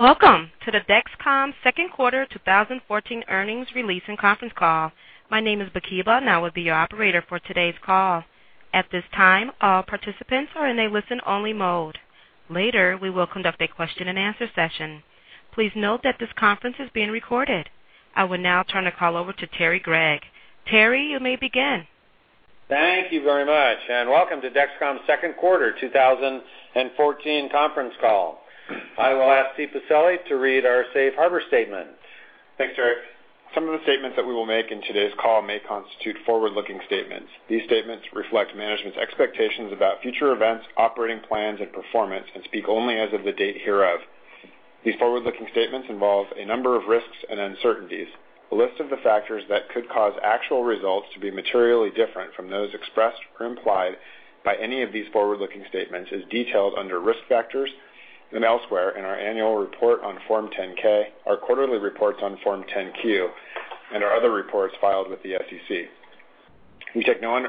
Welcome to the Dexcom second quarter 2014 earnings release and conference call. My name is Bakiba, and I will be your operator for today's call. At this time, all participants are in a listen-only mode. Later, we will conduct a question-and-answer session. Please note that this conference is being recorded. I will now turn the call over to Terry Gregg. Terry, you may begin. Thank you very much, and welcome to Dexcom second quarter 2014 conference call. I will ask Steven Pacelli to read our safe harbor statement. Thanks, Terry. Some of the statements that we will make in today's call may constitute forward-looking statements. These statements reflect management's expectations about future events, operating plans, and performance and speak only as of the date hereof. These forward-looking statements involve a number of risks and uncertainties. A list of the factors that could cause actual results to be materially different from those expressed or implied by any of these forward-looking statements is detailed under Risk Factors and elsewhere in our annual report on Form 10-K, our quarterly reports on Form 10-Q, and our other reports filed with the SEC. We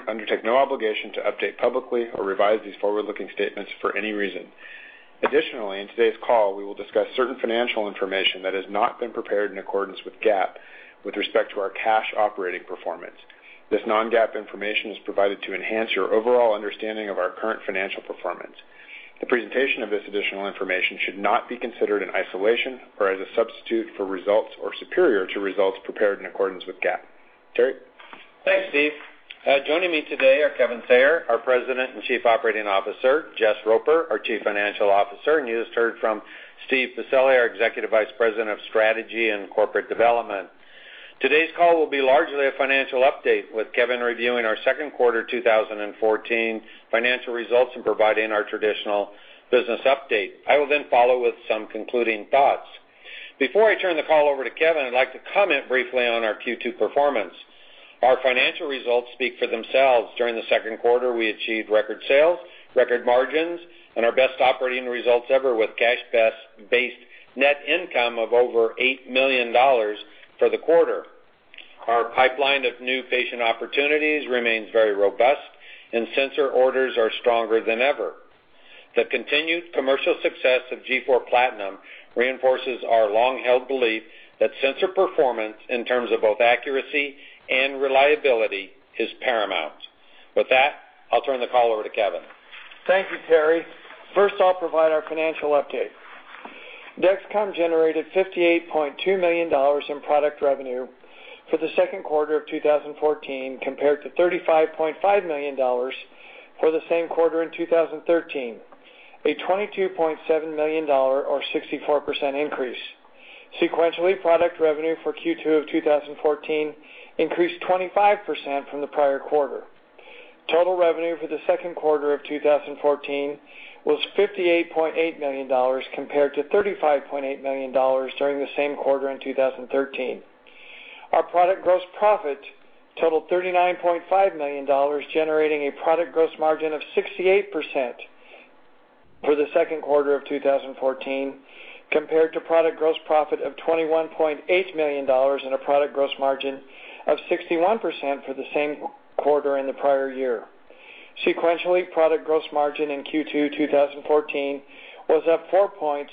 undertake no obligation to update publicly or revise these forward-looking statements for any reason. Additionally, in today's call, we will discuss certain financial information that has not been prepared in accordance with GAAP with respect to our cash operating performance. This non-GAAP information is provided to enhance your overall understanding of our current financial performance. The presentation of this additional information should not be considered in isolation or as a substitute for results or superior to results prepared in accordance with GAAP. Terry. Thanks, Steve. Joining me today are Kevin Sayer, our President and Chief Operating Officer, Jess Roper, our Chief Financial Officer, and you just heard from Steven R. Pacelli, our Executive Vice President of Strategy and Corporate Development. Today's call will be largely a financial update, with Kevin reviewing our second quarter 2014 financial results and providing our traditional business update. I will then follow with some concluding thoughts. Before I turn the call over to Kevin, I'd like to comment briefly on our Q2 performance. Our financial results speak for themselves. During the second quarter, we achieved record sales, record margins, and our best operating results ever with cash-based net income of over $8 million for the quarter. Our pipeline of new patient opportunities remains very robust, and sensor orders are stronger than ever. The continued commercial success of G4 Platinum reinforces our long-held belief that sensor performance in terms of both accuracy and reliability is paramount. With that, I'll turn the call over to Kevin. Thank you, Terry. First, I'll provide our financial update. Dexcom generated $58.2 million in product revenue for the second quarter of 2014 compared to $35.5 million for the same quarter in 2013, a $22.7 million or 64% increase. Sequentially, product revenue for Q2 of 2014 increased 25% from the prior quarter. Total revenue for the second quarter of 2014 was $58.8 million compared to $35.8 million during the same quarter in 2013. Our product gross profit totaled $39.5 million, generating a product gross margin of 68% for the second quarter of 2014 compared to product gross profit of $21.8 million and a product gross margin of 61% for the same quarter in the prior year. Sequentially, product gross margin in Q2 2014 was up four points,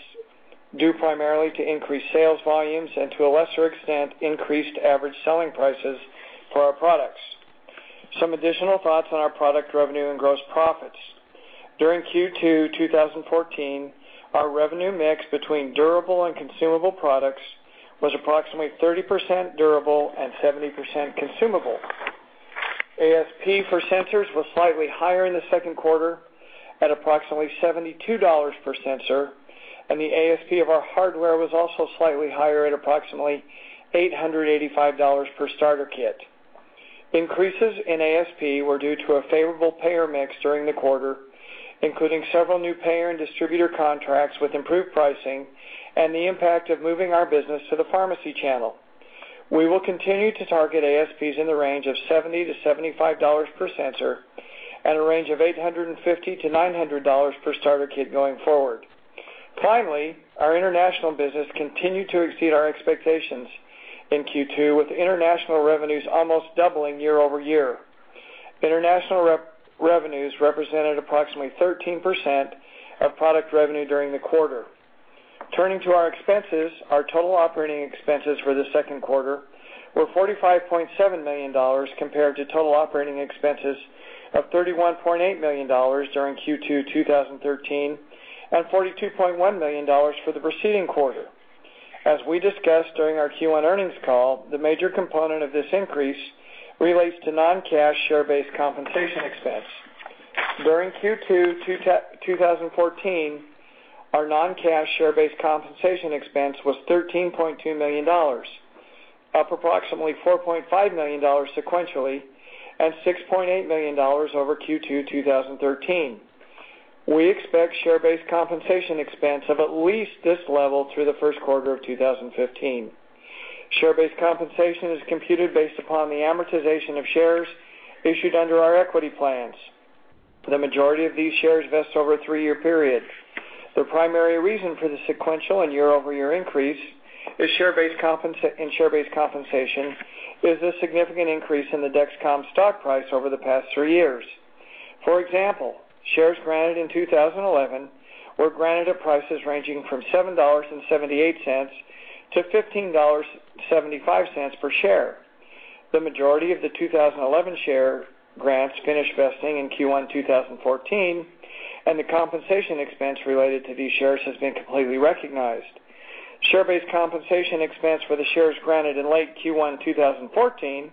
due primarily to increased sales volumes and, to a lesser extent, increased average selling prices for our products. Some additional thoughts on our product revenue and gross profits. During Q2 2014, our revenue mix between durable and consumable products was approximately 30% durable and 70% consumable. ASP for sensors was slightly higher in the second quarter at approximately $72 per sensor, and the ASP of our hardware was also slightly higher at approximately $885 per starter kit. Increases in ASP were due to a favorable payer mix during the quarter, including several new payer and distributor contracts with improved pricing and the impact of moving our business to the pharmacy channel. We will continue to target ASPs in the range of $70 to $75 per sensor at a range of $850 to $900 per starter kit going forward. Finally, our international business continued to exceed our expectations in Q2, with international revenues almost doubling year-over-year. International revenues represented approximately 13% of product revenue during the quarter. Turning to our expenses, our total operating expenses for the second quarter were $45.7 million compared to total operating expenses of $31.8 million during Q2 2013 and $42.1 million for the preceding quarter. As we discussed during our Q1 earnings call, the major component of this increase relates to non-cash share-based compensation expense. During Q2 2014, our non-cash share-based compensation expense was $13.2 million, up approximately $4.5 million sequentially and $6.8 million over Q2 2013. We expect share-based compensation expense of at least this level through the first quarter of 2015. Share-based compensation is computed based upon the amortization of shares issued under our equity plans. The majority of these shares vest over a three-year period. The primary reason for the sequential and year-over-year increase in share-based compensation is a significant increase in the Dexcom stock price over the past three years. For example, shares granted in 2011 were granted at prices ranging from $7.78 to $15.75 per share. The majority of the 2011 share grants finished vesting in Q1 2014, and the compensation expense related to these shares has been completely recognized. Share-based compensation expense for the shares granted in late Q1 2014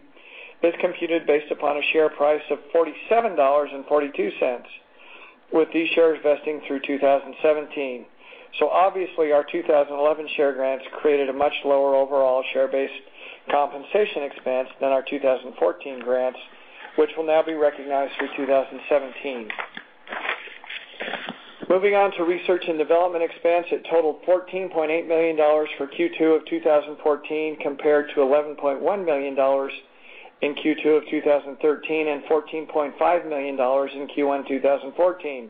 is computed based upon a share price of $47.42, with these shares vesting through 2017. Obviously our 2011 share grants created a much lower overall share-based compensation expense than our 2014 grants, which will now be recognized through 2017. Moving on to research and development expense, it totaled $14.8 million for Q2 of 2014 compared to $11.1 million in Q2 of 2013 and $14.5 million in Q1 2014.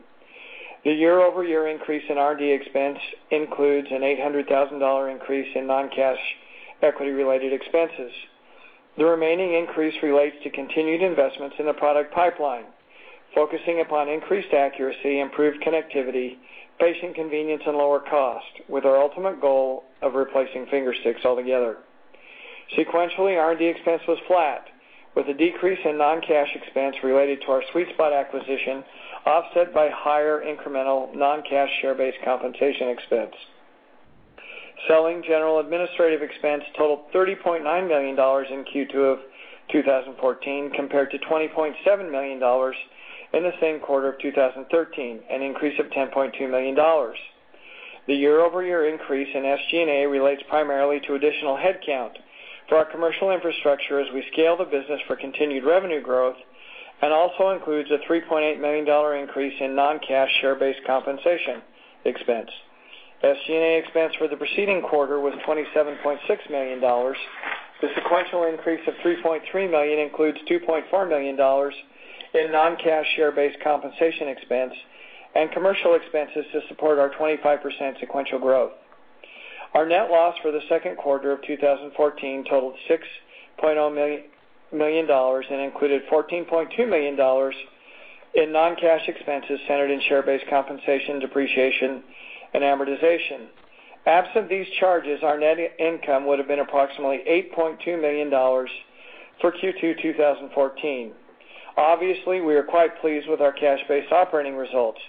The year-over-year increase in R&D expense includes an $800,000 increase in non-cash equity related expenses. The remaining increase relates to continued investments in the product pipeline, focusing upon increased accuracy, improved connectivity, patient convenience and lower cost, with our ultimate goal of replacing finger sticks altogether. Sequentially, R&D expense was flat, with a decrease in non-cash expense related to our SweetSpot acquisition, offset by higher incremental non-cash share-based compensation expense. Selling general administrative expense totaled $30.9 million in Q2 of 2014 compared to $20.7 million in the same quarter of 2013, an increase of $10.2 million. The year-over-year increase in SG&A relates primarily to additional headcount for our commercial infrastructure as we scale the business for continued revenue growth, and also includes a $3.8 million increase in non-cash share-based compensation expense. SG&A expense for the preceding quarter was $27.6 million. The sequential increase of $3.3 million includes $2.4 million in non-cash share-based compensation expense and commercial expenses to support our 25% sequential growth. Our net loss for the second quarter of 2014 totaled $6.0 million and included $14.2 million in non-cash expenses centered in share-based compensation, depreciation and amortization. Absent these charges, our net income would have been approximately $8.2 million for Q2 2014. Obviously, we are quite pleased with our cash-based operating results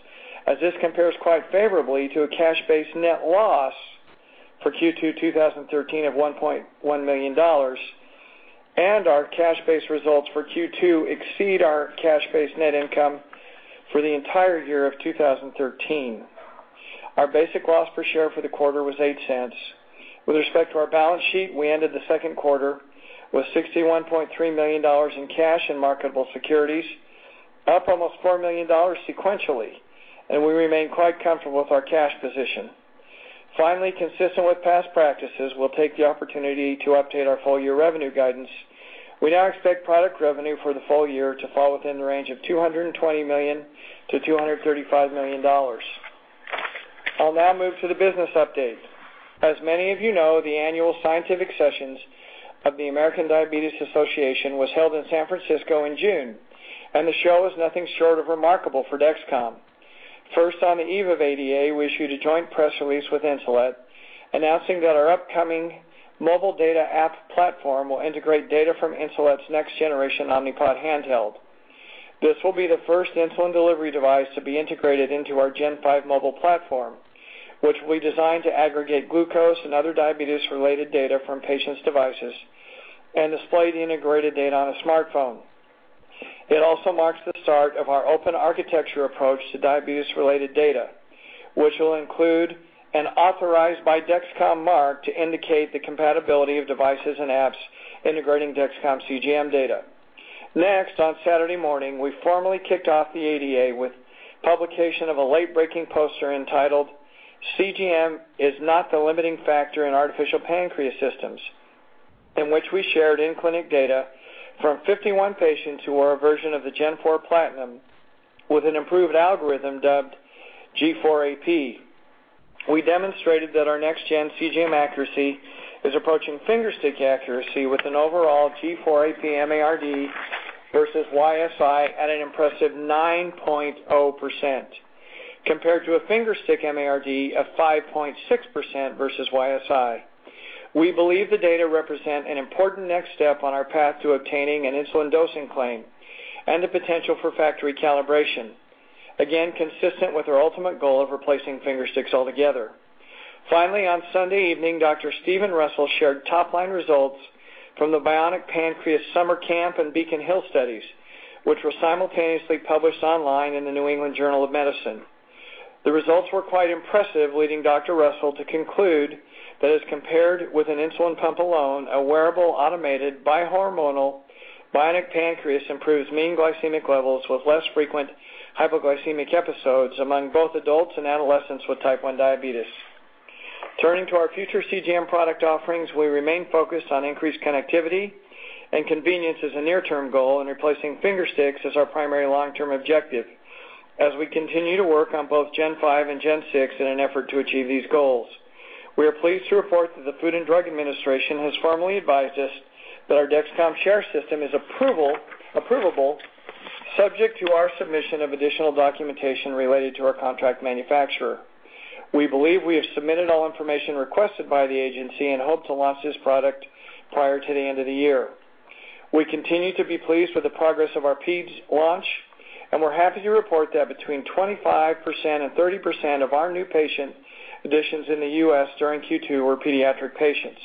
as this compares quite favorably to a cash-based net loss for Q2 2013 of $1.1 million, and our cash-based results for Q2 exceed our cash-based net income for the entire year of 2013. Our basic loss per share for the quarter was $0.08. With respect to our balance sheet, we ended the second quarter with $61.3 million in cash and marketable securities, up almost $4 million sequentially, and we remain quite comfortable with our cash position. Finally, consistent with past practices, we'll take the opportunity to update our full year revenue guidance. We now expect product revenue for the full year to fall within the range of $220 million to $235 million. I'll now move to the business update. As many of you know, the annual scientific sessions of the American Diabetes Association was held in San Francisco in June, and the show was nothing short of remarkable for Dexcom. First, on the eve of ADA, we issued a joint press release with Insulet announcing that our upcoming mobile data app platform will integrate data from Insulet's next generation Omnipod handheld. This will be the first insulin delivery device to be integrated into our Gen 5 mobile platform, which we designed to aggregate glucose and other diabetes-related data from patients' devices and display the integrated data on a smartphone. It also marks the start of our open architecture approach to diabetes-related data, which will include an authorized by Dexcom mark to indicate the compatibility of devices and apps integrating Dexcom CGM data. Next, on Saturday morning, we formally kicked off the ADA with publication of a late-breaking poster entitled "CGM is not the limiting factor in artificial pancreas systems," in which we shared in-clinic data from 51 patients who wore a version of the Gen 4 Platinum with an improved algorithm dubbed G4 AP. We demonstrated that our next gen CGM accuracy is approaching finger stick accuracy with an overall G4 AP MARD versus YSI at an impressive 9.0%, compared to a finger stick MARD of 5.6% versus YSI. We believe the data represent an important next step on our path to obtaining an insulin dosing claim and the potential for factory calibration. Again, consistent with our ultimate goal of replacing finger sticks altogether. Finally, on Sunday evening, Dr. Steven Russell shared top-line results from the Bionic Pancreas Summer Camp and Beacon Hill studies, which were simultaneously published online in the New England Journal of Medicine. The results were quite impressive, leading Dr. Steven Russell to conclude that as compared with an insulin pump alone, a wearable, automated bi-hormonal bionic pancreas improves mean glycemic levels with less frequent hypoglycemic episodes among both adults and adolescents with type I diabetes. Turning to our future CGM product offerings, we remain focused on increased connectivity and convenience as a near-term goal, and replacing finger sticks is our primary long-term objective. As we continue to work on both Gen 5 and Gen 6 in an effort to achieve these goals. We are pleased to report that the Food and Drug Administration has formally advised us that our Dexcom Share system is approvable subject to our submission of additional documentation related to our contract manufacturer. We believe we have submitted all information requested by the agency and hope to launch this product prior to the end of the year. We continue to be pleased with the progress of our peds launch, and we're happy to report that between 25% and 30% of our new patient additions in the U.S. during Q2 were pediatric patients.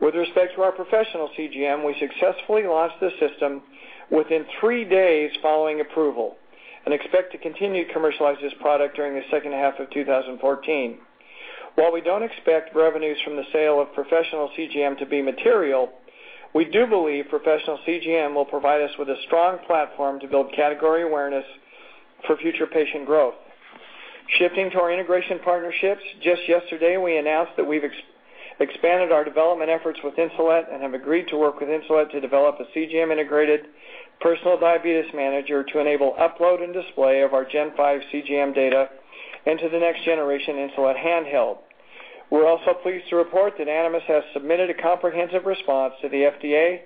With respect to our professional CGM, we successfully launched the system within three days following approval, and expect to continue to commercialize this product during the second half of 2014. While we don't expect revenues from the sale of professional CGM to be material, we do believe professional CGM will provide us with a strong platform to build category awareness for future patient growth. Shifting to our integration partnerships. Just yesterday, we announced that we've expanded our development efforts with Insulet and have agreed to work with Insulet to develop a CGM-integrated personal diabetes manager to enable upload and display of our Gen 5 CGM data into the next generation Insulet handheld. We're also pleased to report that Animas has submitted a comprehensive response to the FDA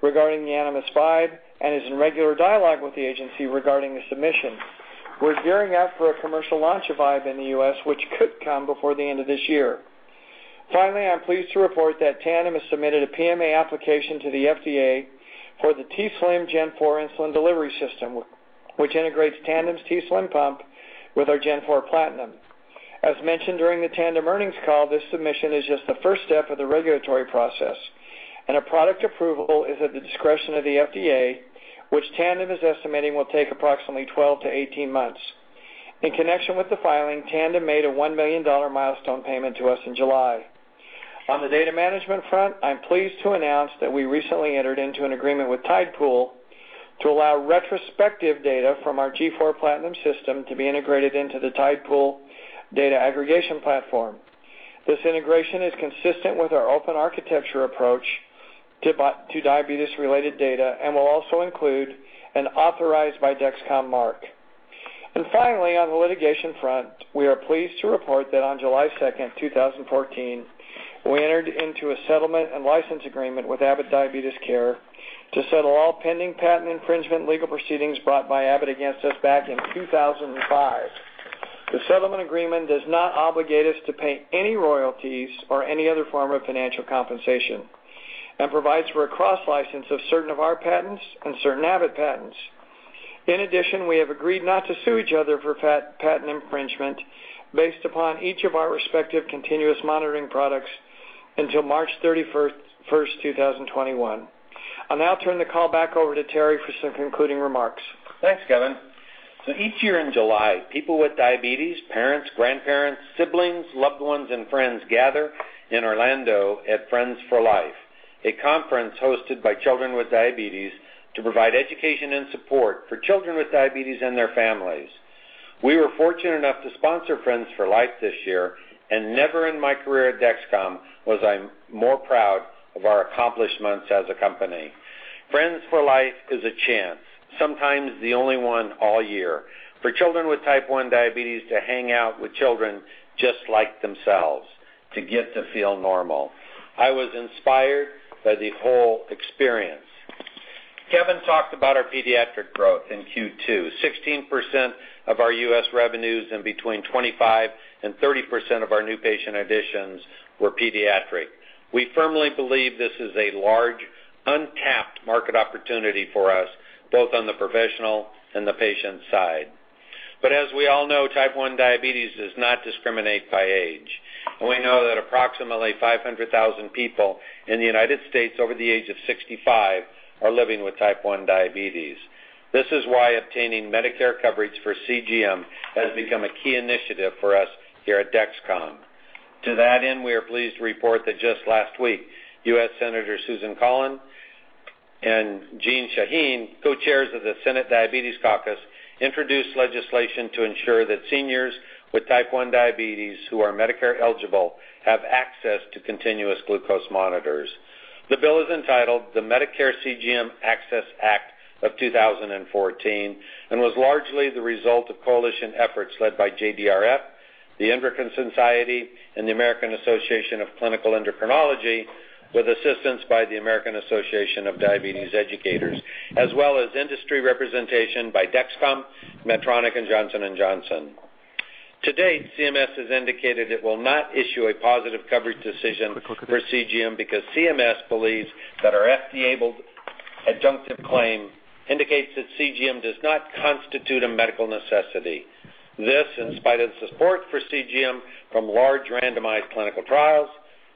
regarding the Animas Vibe, and is in regular dialogue with the agency regarding the submission. We're gearing up for a commercial launch of Gen 6 in the U.S., which could come before the end of this year. Finally, I'm pleased to report that Tandem has submitted a PMA application to the FDA for the t:slim Gen 4 Insulin Delivery System, which integrates Tandem's t:slim pump with our Gen 4 Platinum. As mentioned during the Tandem earnings call, this submission is just the first step of the regulatory process, and a product approvable is at the discretion of the FDA, which Tandem is estimating will take approximately 12 to 18 months. In connection with the filing, Tandem made a $1 million milestone payment to us in July. On the data management front, I'm pleased to announce that we recently entered into an agreement with Tidepool to allow retrospective data from our G4 Platinum system to be integrated into the Tidepool data aggregation platform. This integration is consistent with our open architecture approach to diabetes-related data, and will also include an authorized by Dexcom mark. Finally, on the litigation front, we are pleased to report that on July 2nd, 2014, we entered into a settlement and license agreement with Abbott Diabetes Care to settle all pending patent infringement legal proceedings brought by Abbott against us back in 2005. The settlement agreement does not obligate us to pay any royalties or any other form of financial compensation, and provides for a cross-license of certain of our patents and certain Abbott patents. In addition, we have agreed not to sue each other for patent infringement based upon each of our respective continuous monitoring products until March 31st, 2021. I'll now turn the call back over to Terry for some concluding remarks. Thanks, Kevin. Each year in July, people with diabetes, parents, grandparents, siblings, loved ones, and friends gather in Orlando at Friends for Life, a conference hosted by Children with Diabetes to provide education and support for children with diabetes and their families. We were fortunate enough to sponsor Friends for Life this year, and never in my career at Dexcom was I more proud of our accomplishments as a company. Friends for Life is a chance, sometimes the only one all year, for children with type I diabetes to hang out with children just like themselves, to get to feel normal. I was inspired by the whole experience. Kevin talked about our pediatric growth in Q2. 16% of our U.S. revenues and between 25% and 30% of our new patient additions were pediatric. We firmly believe this is a large, untapped market opportunity for us, both on the professional and the patient side. As we all know, type I diabetes does not discriminate by age. We know that approximately 500,000 people in the United States over the age of 65 are living with type I diabetes. This is why obtaining Medicare coverage for CGM has become a key initiative for us here at Dexcom. To that end, we are pleased to report that just last week, U.S. Senators Susan Collins and Jeanne Shaheen, co-chairs of the Senate Diabetes Caucus, introduced legislation to ensure that seniors with type I diabetes who are Medicare-eligible have access to continuous glucose monitors. The bill is entitled the Medicare CGM Access Act of 2014, and was largely the result of coalition efforts led by JDRF, the Endocrine Society and the American Association of Clinical Endocrinology, with assistance by the American Association of Diabetes Educators, as well as industry representation by Dexcom, Medtronic, and Johnson & Johnson. To date, CMS has indicated it will not issue a positive coverage decision for CGM because CMS believes that our FDA-labeled adjunctive claim indicates that CGM does not constitute a medical necessity. This, in spite of the support for CGM from large randomized clinical trials,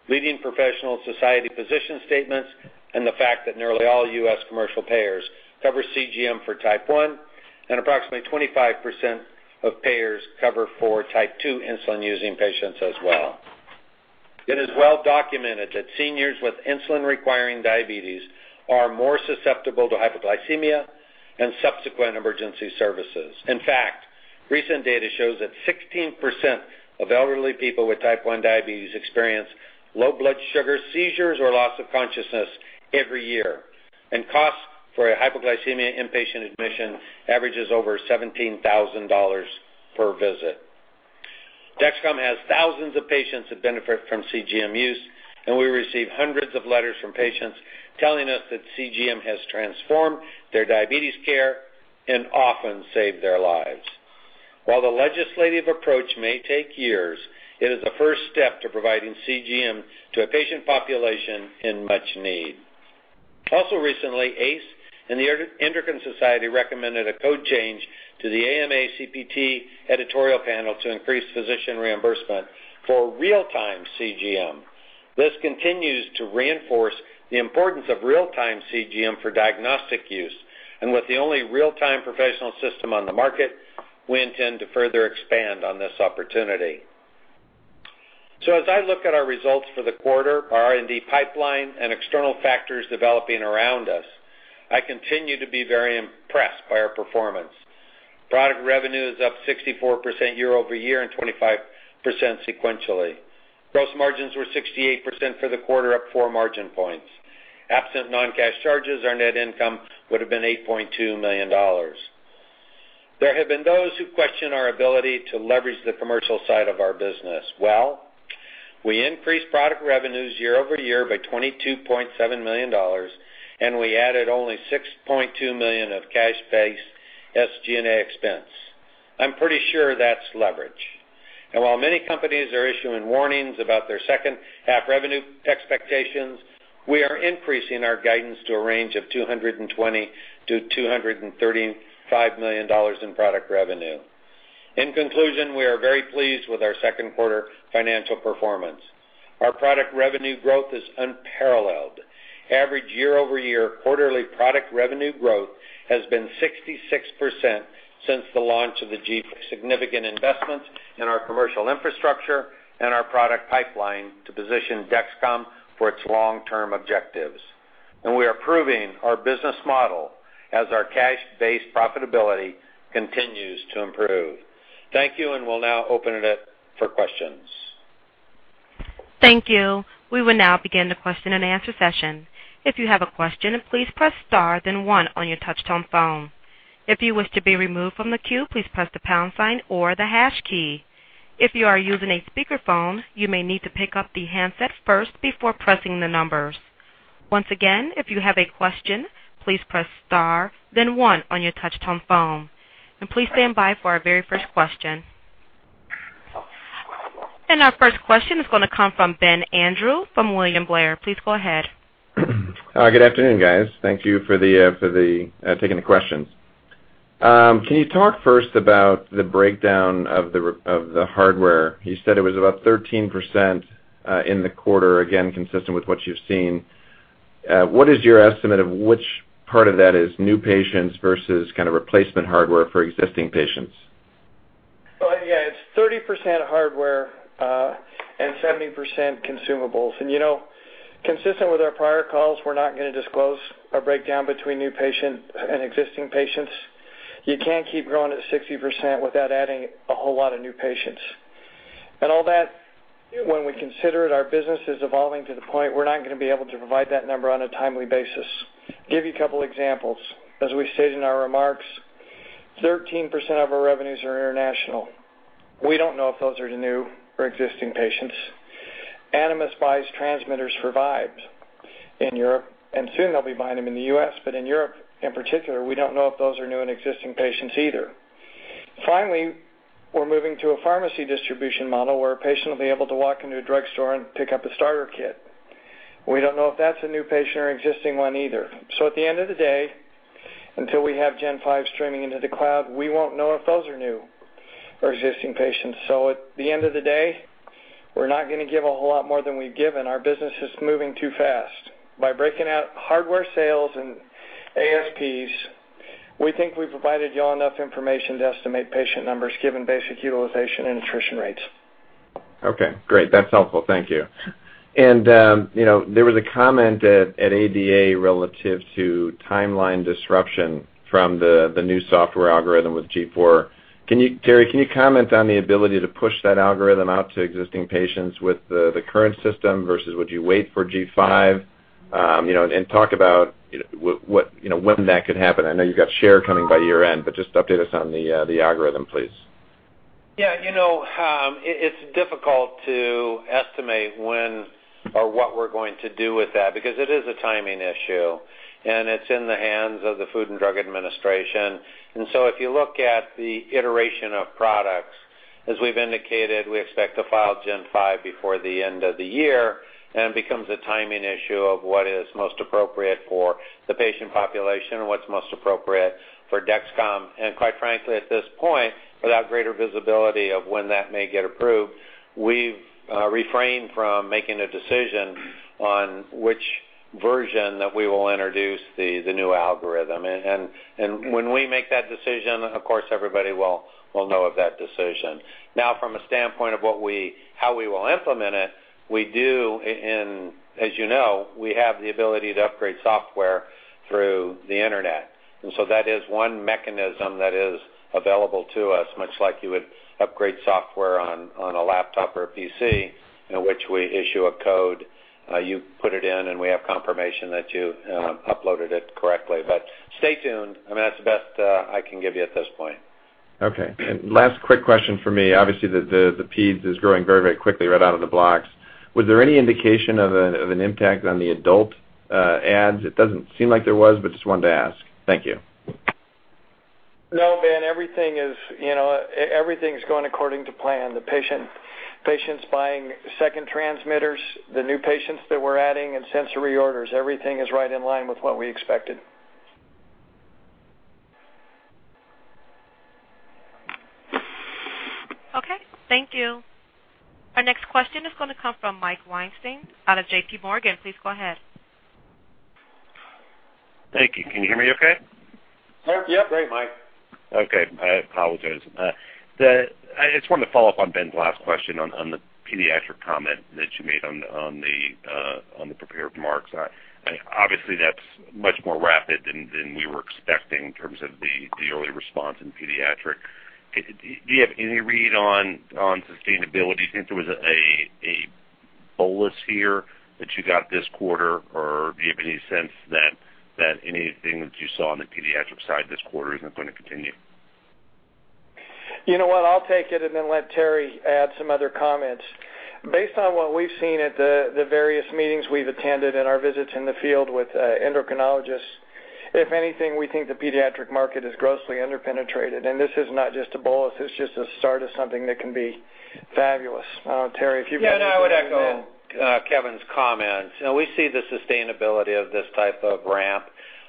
leading professional society position statements, and the fact that nearly all U.S. commercial payers cover CGM for type I, and approximately 25% of payers cover for type II insulin-using patients as well. It is well documented that seniors with insulin-requiring diabetes are more susceptible to hypoglycemia and subsequent emergency services. In fact, recent data shows that 16% of elderly people with type I diabetes experience low blood sugar seizures or loss of consciousness every year, and cost for a hypoglycemia inpatient admission averages over $17,000 per visit. Dexcom has thousands of patients that benefit from CGM use, and we receive hundreds of letters from patients telling us that CGM has transformed their diabetes care and often saved their lives. While the legislative approach may take years, it is the first step to providing CGM to a patient population in much need. Also recently, AACE and the Endocrine Society recommended a code change to the AMA CPT Editorial Panel to increase physician reimbursement for real-time CGM. This continues to reinforce the importance of real-time CGM for diagnostic use, and with the only real-time professional system on the market, we intend to further expand on this opportunity. As I look at our results for the quarter, our R&D pipeline, and external factors developing around us, I continue to be very impressed by our performance. Product revenue is up 64% year-over-year and 25% sequentially. Gross margins were 68% for the quarter, up four margin points. Absent non-cash charges, our net income would have been $8.2 million. There have been those who question our ability to leverage the commercial side of our business. Well, we increased product revenues year-over-year by $22.7 million, and we added only $6.2 million of cash-based SG&A expense. I'm pretty sure that's leverage. While many companies are issuing warnings about their second half revenue expectations, we are increasing our guidance to a range of $220 million to $235 million in product revenue. In conclusion, we are very pleased with our second quarter financial performance. Our product revenue growth is unparalleled. Average year-over-year quarterly product revenue growth has been 66% since the launch of the G4. Significant investments in our commercial infrastructure and our product pipeline to position Dexcom for its long-term objectives. We are proving our business model as our cash-based profitability continues to improve. Thank you, and we'll now open it up for questions. Thank you. We will now begin the question-and-answer session. If you have a question, please press star then one on your touch-tone phone. If you wish to be removed from the queue, please press the pound sign or the hash key. If you are using a speakerphone, you may need to pick up the handset first before pressing the numbers. Once again, if you have a question, please press star then one on your touch-tone phone. Please stand by for our very first question. Our first question is going to come from Ben Andrew from William Blair. Please go ahead. Hi, good afternoon, guys. Thank you for taking the questions. Can you talk first about the breakdown of the hardware? You said it was about 13% in the quarter, again, consistent with what you've seen. What is your estimate of which part of that is new patients versus kind of replacement hardware for existing patients? Well, yeah, it's 30% hardware and 70% consumables. You know, consistent with our prior calls, we're not gonna disclose a breakdown between new patient and existing patients. You can't keep growing at 60% without adding a whole lot of new patients. All that, when we consider it, our business is evolving to the point we're not gonna be able to provide that number on a timely basis. Give you a couple examples. As we stated in our remarks, 13% of our revenues are international. We don't know if those are the new or existing patients. Animas buys transmitters for Vibes in Europe, and soon they'll be buying them in the U.S. In Europe, in particular, we don't know if those are new and existing patients either. Finally, we're moving to a pharmacy distribution model, where a patient will be able to walk into a drugstore and pick up a starter kit. We don't know if that's a new patient or an existing one either. At the end of the day, until we have Gen 5 streaming into the cloud, we won't know if those are new or existing patients. At the end of the day, we're not gonna give a whole lot more than we've given. Our business is moving too fast. By breaking out hardware sales and ASPs, we think we've provided you all enough information to estimate patient numbers given basic utilization and attrition rates. Okay, great. That's helpful. Thank you. You know, there was a comment at ADA relative to timeline disruption from the new software algorithm with G4. Can you, Terry, comment on the ability to push that algorithm out to existing patients with the current system versus would you wait for G5? You know, talk about what you know when that could happen. I know you've got share coming by year-end, but just update us on the algorithm, please. Yeah, you know, it's difficult to estimate when or what we're going to do with that because it is a timing issue, and it's in the hands of the Food and Drug Administration. If you look at the iteration of products, as we've indicated, we expect to file Gen 5 before the end of the year, and it becomes a timing issue of what is most appropriate for the patient population and what's most appropriate for Dexcom. Quite frankly, at this point, without greater visibility of when that may get approved, we've refrained from making a decision on which version that we will introduce the new algorithm. When we make that decision, of course, everybody will know of that decision. Now, from a standpoint of how we will implement it, we do, as you know, we have the ability to upgrade software through the internet. That is one mechanism that is available to us, much like you would upgrade software on a laptop or a PC, in which we issue a code, you put it in, and we have confirmation that you uploaded it correctly. Stay tuned, I mean, that's the best I can give you at this point. Okay. Last quick question for me. Obviously, the peds is growing very quickly right out of the blocks. Was there any indication of an impact on the adult ads? It doesn't seem like there was, but just wanted to ask. Thank you. No, Ben, everything is, you know, everything's going according to plan. The patients buying second transmitters, the new patients that we're adding, and sensor reorders, everything is right in line with what we expected. Okay, thank you. Our next question is gonna come from Mike Weinstein out of J.P. Morgan. Please go ahead. Thank you. Can you hear me okay? Yep. Great, Mike. Okay. I apologize. I just wanted to follow up on Ben's last question on the pediatric comment that you made on the prepared remarks. Obviously, that's much more rapid than we were expecting in terms of the early response in pediatric. Do you have any read on sustainability? Do you think there was a bolus here that you got this quarter? Or do you have any sense that anything that you saw on the pediatric side this quarter isn't going to continue? You know what? I'll take it and then let Terry add some other comments. Based on what we've seen at the various meetings we've attended and our visits in the field with endocrinologists, if anything, we think the pediatric market is grossly under-penetrated. This is not just a bolus, it's just a start of something that can be fabulous. Terry, if you've got anything you can add. Yeah. No, I would echo Kevin's comments. You know, we see the sustainability of this type of ramp.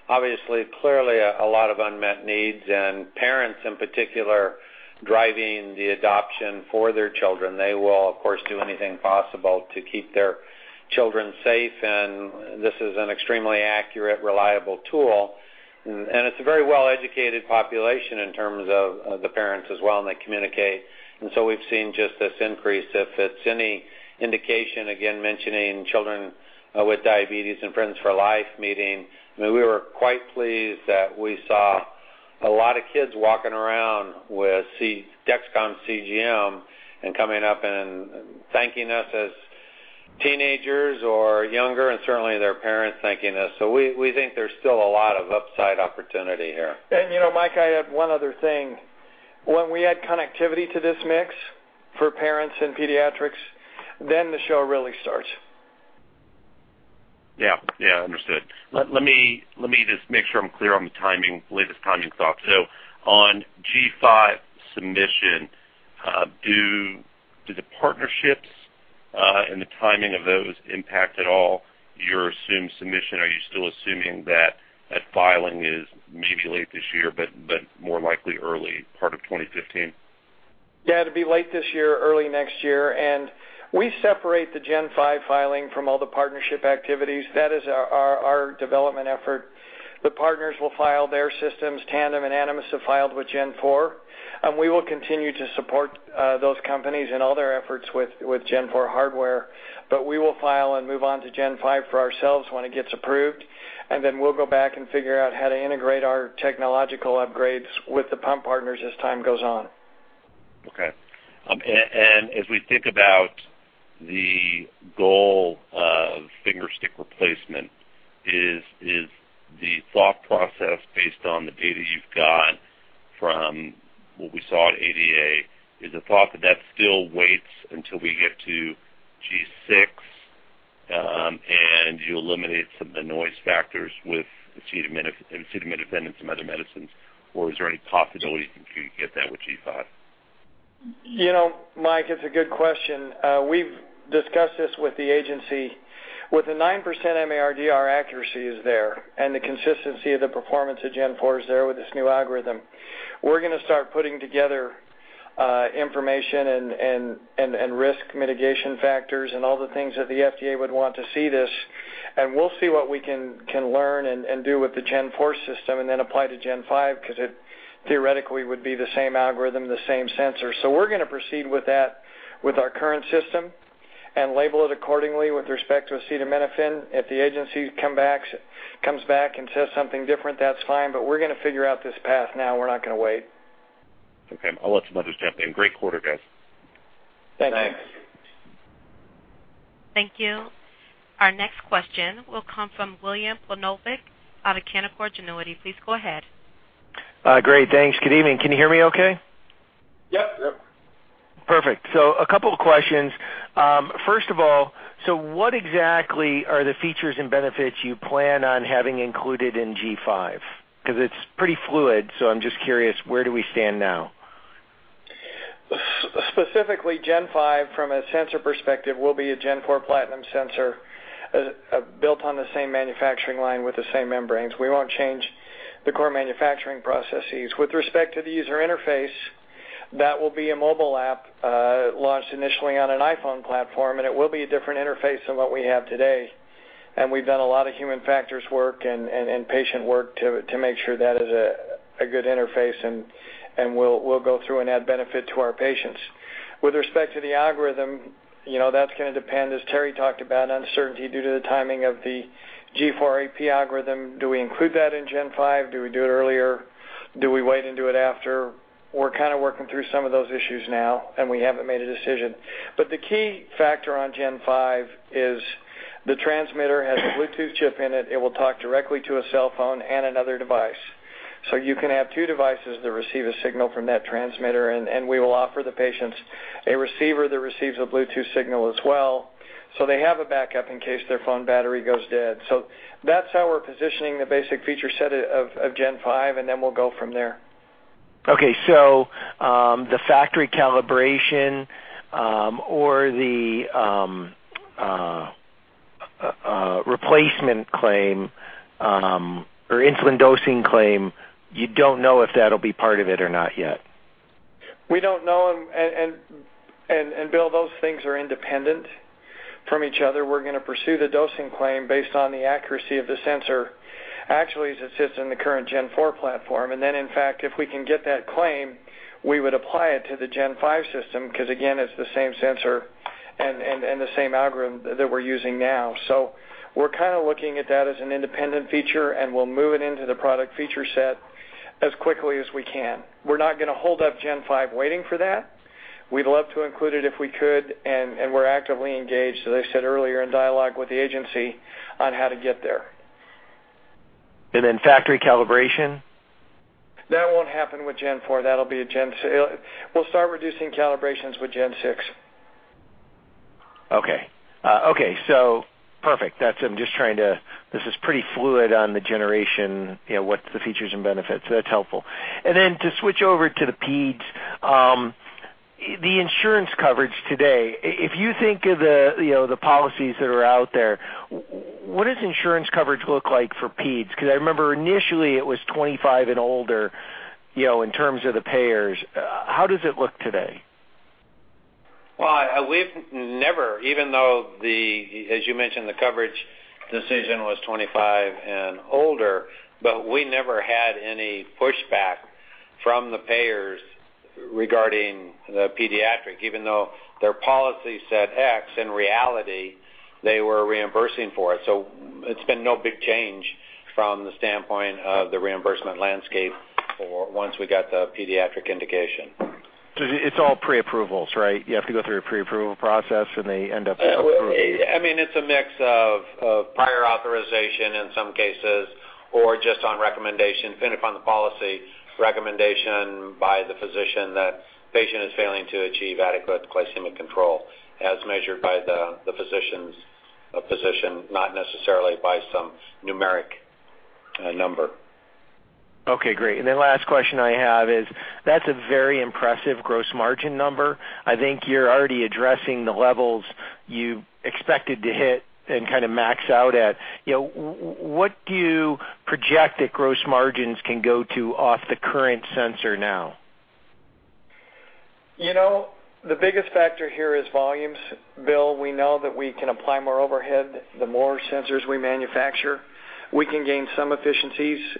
Obviously, clearly a lot of unmet needs, and parents in particular driving the adoption for their children. They will, of course, do anything possible to keep their children safe, and this is an extremely accurate, reliable tool. It's a very well-educated population in terms of the parents as well, and they communicate. We've seen just this increase. If it's any indication, again, mentioning Children with Diabetes and Friends for Life meeting, I mean, we were quite pleased that we saw a lot of kids walking around with Dexcom CGM and coming up and thanking us as teenagers or younger, and certainly their parents thanking us. We think there's still a lot of upside opportunity here. You know, Mike, I have one other thing. When we add connectivity to this mix for parents in pediatrics, then the show really starts. Yeah. Understood. Let me just make sure I'm clear on the timing, latest timing thoughts. On G5 submission, do the partnerships and the timing of those impact at all your assumed submission? Are you still assuming that filing is maybe late this year, but more likely early part of 2015? Yeah. It'd be late this year, early next year. We separate the Gen 5 filing from all the partnership activities. That is our development effort. The partners will file their systems. Tandem and Animas have filed with Gen 4. We will continue to support those companies in all their efforts with Gen 4 hardware. We will file and move on to Gen 5 for ourselves when it gets approved, and then we'll go back and figure out how to integrate our technological upgrades with the pump partners as time goes on. Okay. As we think about the goal of finger stick replacement, is the thought process based on the data you've got from what we saw at ADA? Is the thought that still waits until we get to G6, and you eliminate some of the noise factors with acetaminophen and some other medicines? Or is there any possibility you can get that with G5? You know, Mike, it's a good question. We've discussed this with the agency. With the 9% MARD, our accuracy is there, and the consistency of the performance of Gen 4 is there with this new algorithm. We're gonna start putting together information and risk mitigation factors and all the things that the FDA would want to see this, and we'll see what we can learn and do with the Gen 4 system and then apply to Gen 5 because it theoretically would be the same algorithm, the same sensor. We're gonna proceed with that with our current system and label it accordingly with respect to acetaminophen. If the agency comes back and says something different, that's fine, but we're gonna figure out this path now. We're not gonna wait. Okay. I'll let somebody else jump in. Great quarter, guys. Thanks. Thanks. Thank you. Our next question will come from William Plovanic out of Canaccord Genuity. Please go ahead. Great. Thanks. Good evening. Can you hear me okay? Yep. Yep. Perfect. A couple of questions. First of all, what exactly are the features and benefits you plan on having included in G5? 'Cause it's pretty fluid, I'm just curious where do we stand now? Specifically, Gen 5 from a sensor perspective will be a G4 Platinum sensor, built on the same manufacturing line with the same membranes. We won't change the core manufacturing processes. With respect to the user interface, that will be a mobile app, launched initially on an iPhone platform, and it will be a different interface than what we have today. We've done a lot of human factors work and patient work to make sure that is a good interface, and we'll go through and add benefit to our patients. With respect to the algorithm, you know, that's gonna depend, as Terry talked about, uncertainty due to the timing of the G4AP algorithm. Do we include that in Gen 5? Do we do it earlier? Do we wait and do it after? We're kinda working through some of those issues now, and we haven't made a decision. The key factor on Gen 5 is the transmitter has a Bluetooth chip in it. It will talk directly to a cell phone and another device. You can have two devices that receive a signal from that transmitter, and we will offer the patients a receiver that receives a Bluetooth signal as well, so they have a backup in case their phone battery goes dead. That's how we're positioning the basic feature set of Gen 5, and then we'll go from there. Okay. The factory calibration, or the replacement claim, or insulin dosing claim, you don't know if that'll be part of it or not yet? We don't know. Bill, those things are independent from each other. We're gonna pursue the dosing claim based on the accuracy of the sensor, actually, as it sits in the current Gen 4 platform. Then in fact, if we can get that claim, we would apply it to the Gen 5 system 'cause, again, it's the same sensor and the same algorithm that we're using now. We're kinda looking at that as an independent feature, and we'll move it into the product feature set as quickly as we can. We're not gonna hold up Gen 5 waiting for that. We'd love to include it if we could, and we're actively engaged, as I said earlier, in dialogue with the agency on how to get there. Factory calibration? That won't happen with Gen 4. That'll be a Gen 5. We'll start reducing calibrations with Gen 6. Okay. Perfect. That's. This is pretty fluid on the generation, you know, what the features and benefits. That's helpful. Then to switch over to the peds, the insurance coverage today, if you think of the, you know, the policies that are out there, what does insurance coverage look like for peds? 'Cause I remember initially it was 25 and older, you know, in terms of the payers. How does it look today? Well, we've never, even though the, as you mentioned, the coverage decision was 25 and older, but we never had any pushback from the payers regarding the pediatric. Even though their policy said X, in reality, they were reimbursing for it. It's been no big change from the standpoint of the reimbursement landscape for once we got the pediatric indication. It's all pre-approvals, right? You have to go through a pre-approval process, and they end up approving. I mean, it's a mix of prior authorization in some cases, or just on recommendation, depending upon the policy, recommendation by the physician that patient is failing to achieve adequate glycemic control as measured by the physician's position, not necessarily by some numeric number. Okay, great. Last question I have is, that's a very impressive gross margin number. I think you're already addressing the levels you expected to hit and kinda max out at. You know, what do you project that gross margins can go to off the current sensor now? You know, the biggest factor here is volumes, Bill. We know that we can apply more overhead, the more sensors we manufacture. We can gain some efficiencies.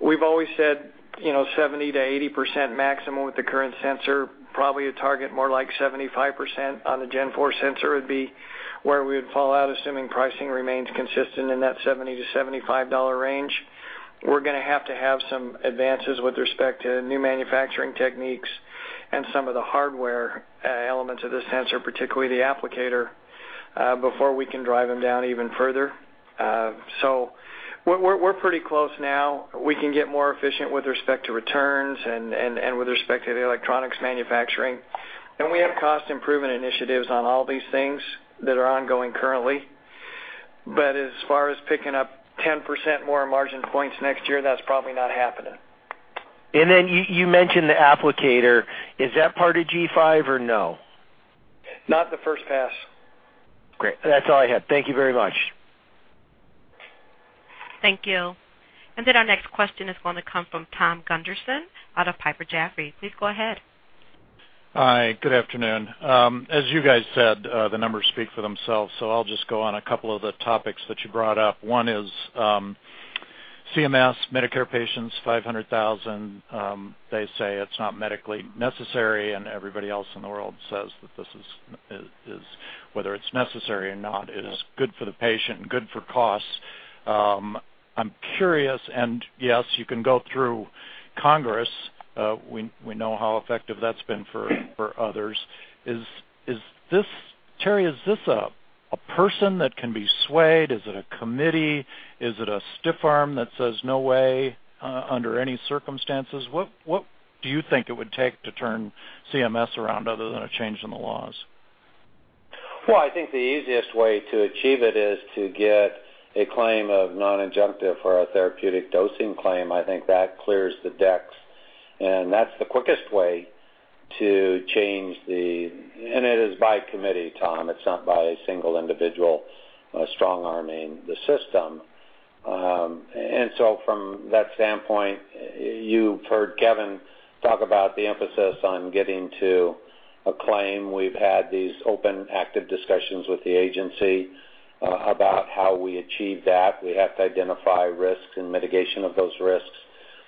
We've always said, you know, 70% to 80% maximum with the current sensor, probably a target more like 75% on the Gen 4 sensor would be where we would fall out, assuming pricing remains consistent in that $70 to $75 range. We're gonna have to have some advances with respect to new manufacturing techniques and some of the hardware elements of the sensor, particularly the applicator, before we can drive them down even further. We're pretty close now. We can get more efficient with respect to returns and with respect to the electronics manufacturing. We have cost improvement initiatives on all these things that are ongoing currently. As far as picking up 10% more margin points next year, that's probably not happening. You mentioned the applicator. Is that part of G5 or no? Not the first pass. Great. That's all I had. Thank you very much. Thank you. Our next question is going to come from Thomas Gunderson out of Piper Jaffray. Please go ahead. Hi. Good afternoon. As you guys said, the numbers speak for themselves, so I'll just go on a couple of the topics that you brought up. One is, CMS Medicare patients, 500,000, they say it's not medically necessary, and everybody else in the world says that this is, whether it's necessary or not, good for the patient and good for costs. I'm curious, and yes, you can go through Congress. We know how effective that's been for others. Is this a person that can be swayed? Is it a committee? Is it a stiff arm that says, "No way," under any circumstances? What do you think it would take to turn CMS around other than a change in the laws? Well, I think the easiest way to achieve it is to get a claim of non-adjunctive for a therapeutic dosing claim. I think that clears the decks, and that's the quickest way. It is by committee, Tom, it's not by a single individual, strong-arming the system. From that standpoint, you've heard Kevin talk about the emphasis on getting to a claim. We've had these open, active discussions with the agency about how we achieve that. We have to identify risks and mitigation of those risks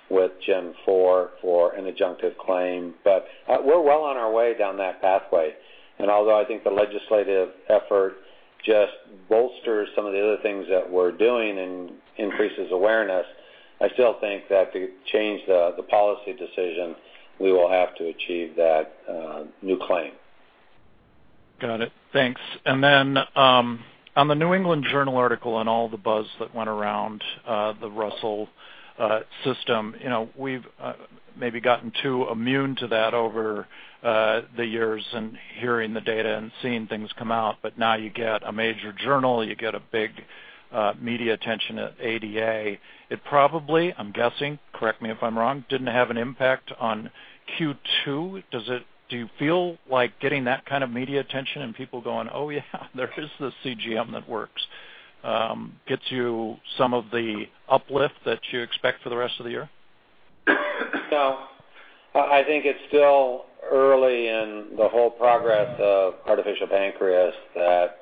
with Gen 4 for an adjunctive claim. We're well on our way down that pathway. Although I think the legislative effort just bolsters some of the other things that we're doing and increases awareness, I still think that to change the policy decision, we will have to achieve that new claim. Got it. Thanks. On the New England Journal article and all the buzz that went around, the Russell system. You know, we've maybe gotten too immune to that over the years and hearing the data and seeing things come out. But now you get a major journal, you get a big media attention at ADA. It probably, I'm guessing, correct me if I'm wrong, didn't have an impact on Q2. Do you feel like getting that kind of media attention and people going, "Oh, yeah, there is this CGM that works," gets you some of the uplift that you expect for the rest of the year? No. I think it's still early in the whole process of artificial pancreas, that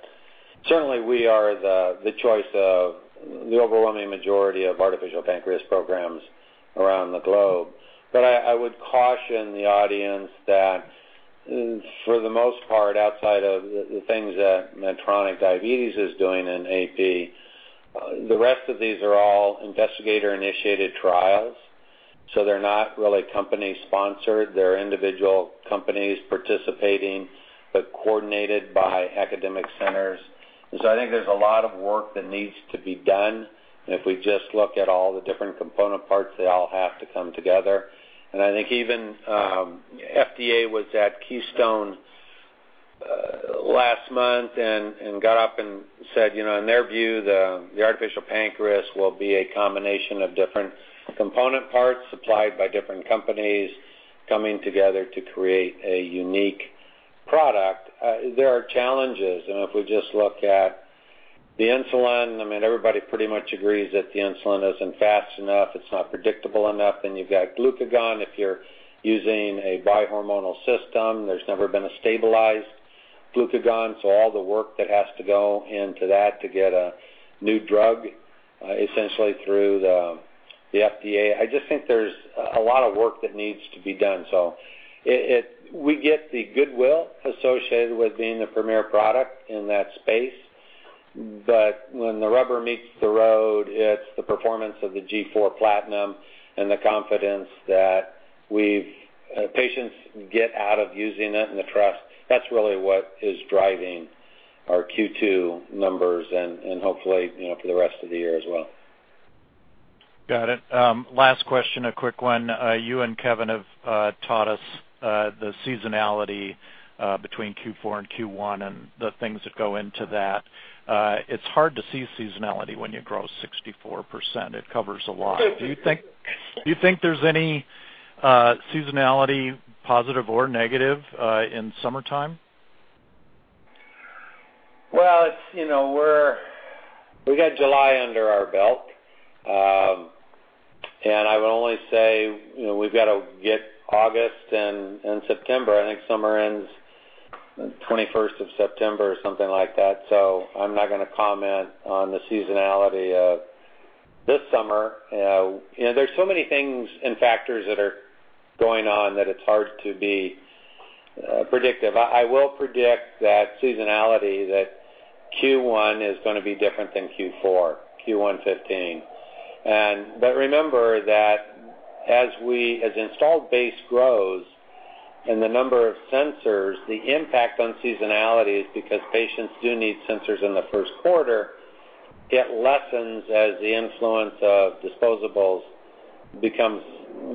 certainly we are the choice of the overwhelming majority of artificial pancreas programs around the globe. But I would caution the audience that for the most part, outside of the things that Medtronic Diabetes is doing in AP, the rest of these are all investigator-initiated trials, so they're not really company-sponsored. They're individual companies participating, but coordinated by academic centers. I think there's a lot of work that needs to be done, and if we just look at all the different component parts, they all have to come together. I think even FDA was at Keystone last month and got up and said, you know, in their view, the artificial pancreas will be a combination of different component parts supplied by different companies coming together to create a unique product. There are challenges, and if we just look at the insulin, I mean, everybody pretty much agrees that the insulin isn't fast enough, it's not predictable enough, then you've got glucagon if you're using a bi-hormonal system. There's never been a stabilized glucagon, so all the work that has to go into that to get a new drug essentially through the FDA. I just think there's a lot of work that needs to be done. So we get the goodwill associated with being the premier product in that space. When the rubber meets the road, it's the performance of the G4 Platinum and the confidence that patients get out of using it and the trust. That's really what is driving our Q2 numbers and hopefully, you know, for the rest of the year as well. Got it. Last question, a quick one. You and Kevin have taught us the seasonality between Q4 and Q1 and the things that go into that. It's hard to see seasonality when you grow 64%. It covers a lot. Do you think there's any seasonality, positive or negative, in summertime? Well, it's, you know, we got July under our belt. I would only say, you know, we've got to get August and September. I think summer ends 21st of September or something like that. I'm not gonna comment on the seasonality of this summer. You know, there's so many things and factors that are going on that it's hard to be predictive. I will predict that seasonality that Q1 is gonna be different than Q4, Q1 2015. Remember that as our installed base grows and the number of sensors, the impact on seasonality is because patients do need sensors in the first quarter, yet lessens as the influence of disposables becomes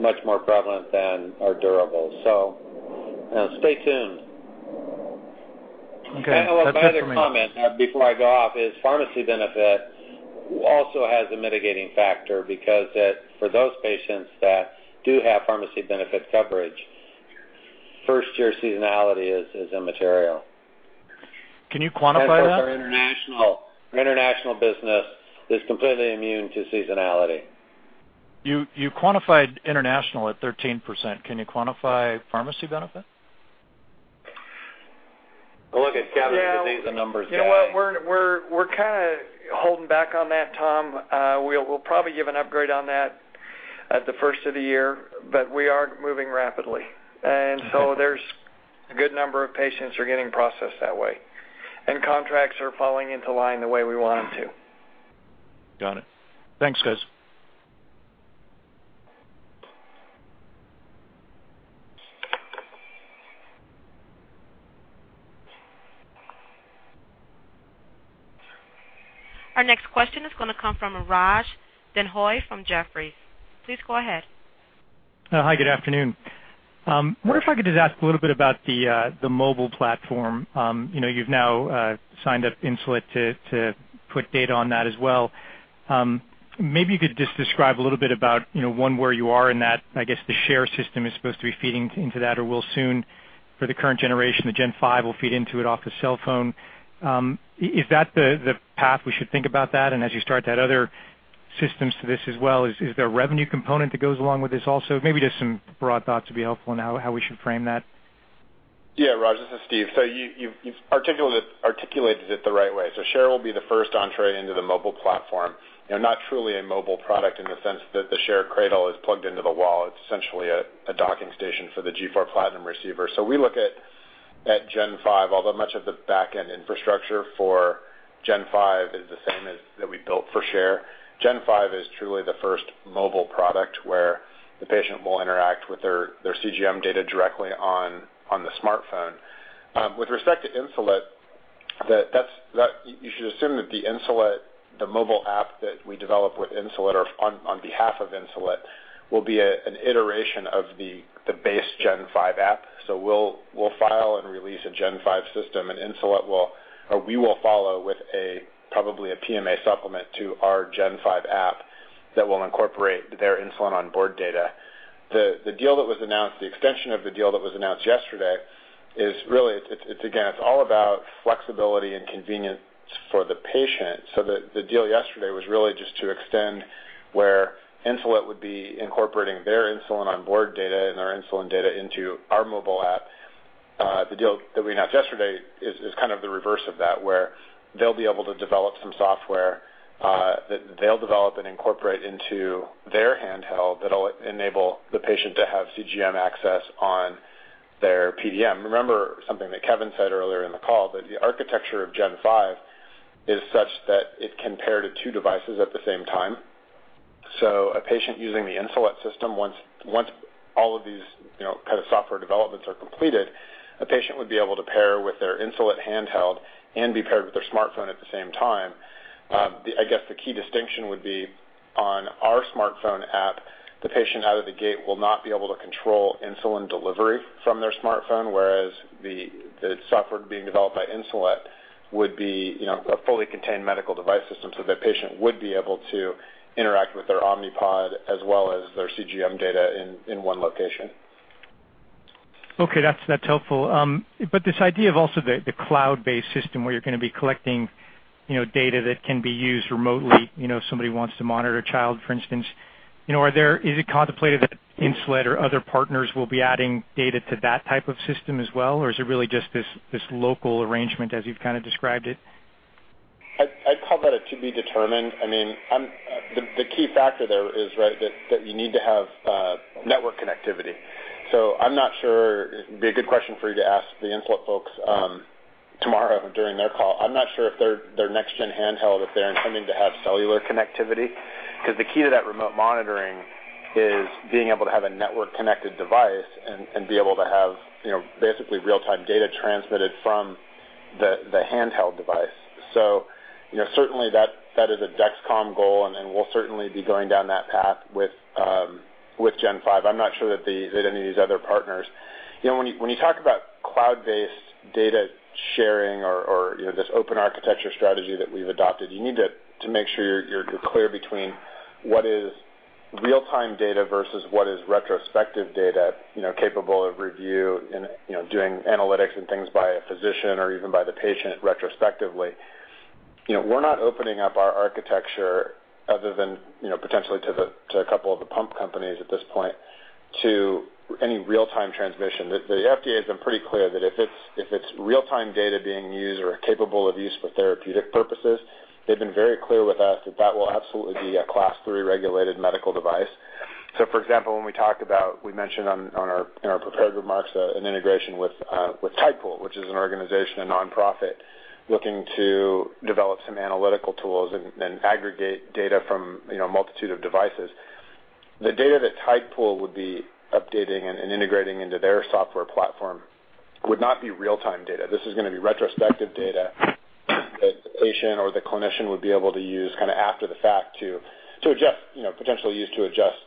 much more prevalent than our durables. Stay tuned. Okay. That's it for me. One other comment, before I go off is pharmacy benefit also has a mitigating factor because it, for those patients that do have pharmacy benefit coverage, first year seasonality is immaterial. Can you quantify that? Of course, our international business is completely immune to seasonality. You quantified international at 13%. Can you quantify pharmacy benefit? Well, look, it's Kevin. He's a numbers guy. You know what? We're kinda holding back on that, Tom. We'll probably give an upgrade on that at the first of the year, but we are moving rapidly. There's a good number of patients who are getting processed that way, and contracts are falling into line the way we want them to. Got it. Thanks, guys. Our next question is gonna come from Raj Denhoy from Jefferies. Please go ahead. Hi. Good afternoon. Wonder if I could just ask a little bit about the mobile platform. You know, you've now signed up Insulet to put data on that as well. Maybe you could just describe a little bit about, you know, one, where you are in that. I guess the Share system is supposed to be feeding into that or will soon for the current generation. The Gen 5 will feed into it off the cell phone. Is that the path we should think about that? As you start to add other systems to this as well, is there a revenue component that goes along with this also? Maybe just some broad thoughts would be helpful in how we should frame that. Yeah, Raj, this is Steve. You've articulated it the right way. Share will be the first entry into the mobile platform, you know, not truly a mobile product in the sense that the Share cradle is plugged into the wall. It's essentially a docking station for the G4 Platinum receiver. We look at Gen 5, although much of the back-end infrastructure for Gen 5 is the same as that we built for Share. Gen 5 is truly the first mobile product where the patient will interact with their CGM data directly on the smartphone. With respect to Insulet, you should assume that the Insulet, the mobile app that we develop with Insulet or on behalf of Insulet, will be an iteration of the base Gen 5 app. We'll file and release a Gen 5 system, and Insulet will or we will follow with a probably a PMA supplement to our Gen 5 app that will incorporate their insulin onboard data. The deal that was announced, the extension of the deal that was announced yesterday is really, it's again, it's all about flexibility and convenience for the patient. The deal yesterday was really just to extend where Insulet would be incorporating their insulin onboard data and their insulin data into our mobile app. The deal that we announced yesterday is kind of the reverse of that, where they'll be able to develop some software that they'll develop and incorporate into their handheld that'll enable the patient to have CGM access on their PDM. Remember something that Kevin said earlier in the call, that the architecture of Gen 5 is such that it can pair to two devices at the same time. A patient using the Insulet system, once all of these, you know, kind of software developments are completed, a patient would be able to pair with their Insulet handheld and be paired with their smartphone at the same time. I guess, the key distinction would be on our smartphone app, the patient out of the gate will not be able to control insulin delivery from their smartphone, whereas the software being developed by Insulet would be, you know, a fully contained medical device system so that patient would be able to interact with their Omnipod as well as their CGM data in one location. Okay. That's helpful. This idea of also the cloud-based system where you're gonna be collecting, you know, data that can be used remotely, you know, if somebody wants to monitor a child, for instance. You know, is it contemplated that Insulet or other partners will be adding data to that type of system as well, or is it really just this local arrangement as you've kind of described it? I'd call that to be determined. I mean, the key factor there is, right, that you need to have network connectivity. I'm not sure. It'd be a good question for you to ask the Insulet folks tomorrow during their call. I'm not sure if their next gen handheld, if they're intending to have cellular connectivity. 'Cause the key to that remote monitoring is being able to have a network-connected device and be able to have, you know, basically real-time data transmitted from the handheld device. You know, certainly, that is a Dexcom goal, and we'll certainly be going down that path with Gen 5. I'm not sure that any of these other partners. You know, when you talk about cloud-based data sharing or, you know, this open architecture strategy that we've adopted, you need to make sure you're clear between what is real-time data versus what is retrospective data, you know, capable of review and, you know, doing analytics and things by a physician or even by the patient retrospectively. You know, we're not opening up our architecture other than, you know, potentially to a couple of the pump companies at this point to any real-time transmission. The FDA has been pretty clear that if it's real-time data being used or capable of use for therapeutic purposes, they've been very clear with us that that will absolutely be a Class III regulated medical device. For example, when we mentioned in our prepared remarks, an integration with Tidepool, which is an organization, a non-profit, looking to develop some analytical tools and aggregate data from, you know, a multitude of devices. The data that Tidepool would be updating and integrating into their software platform would not be real-time data. This is gonna be retrospective data that the patient or the clinician would be able to use kinda after the fact to adjust, you know, potentially use to adjust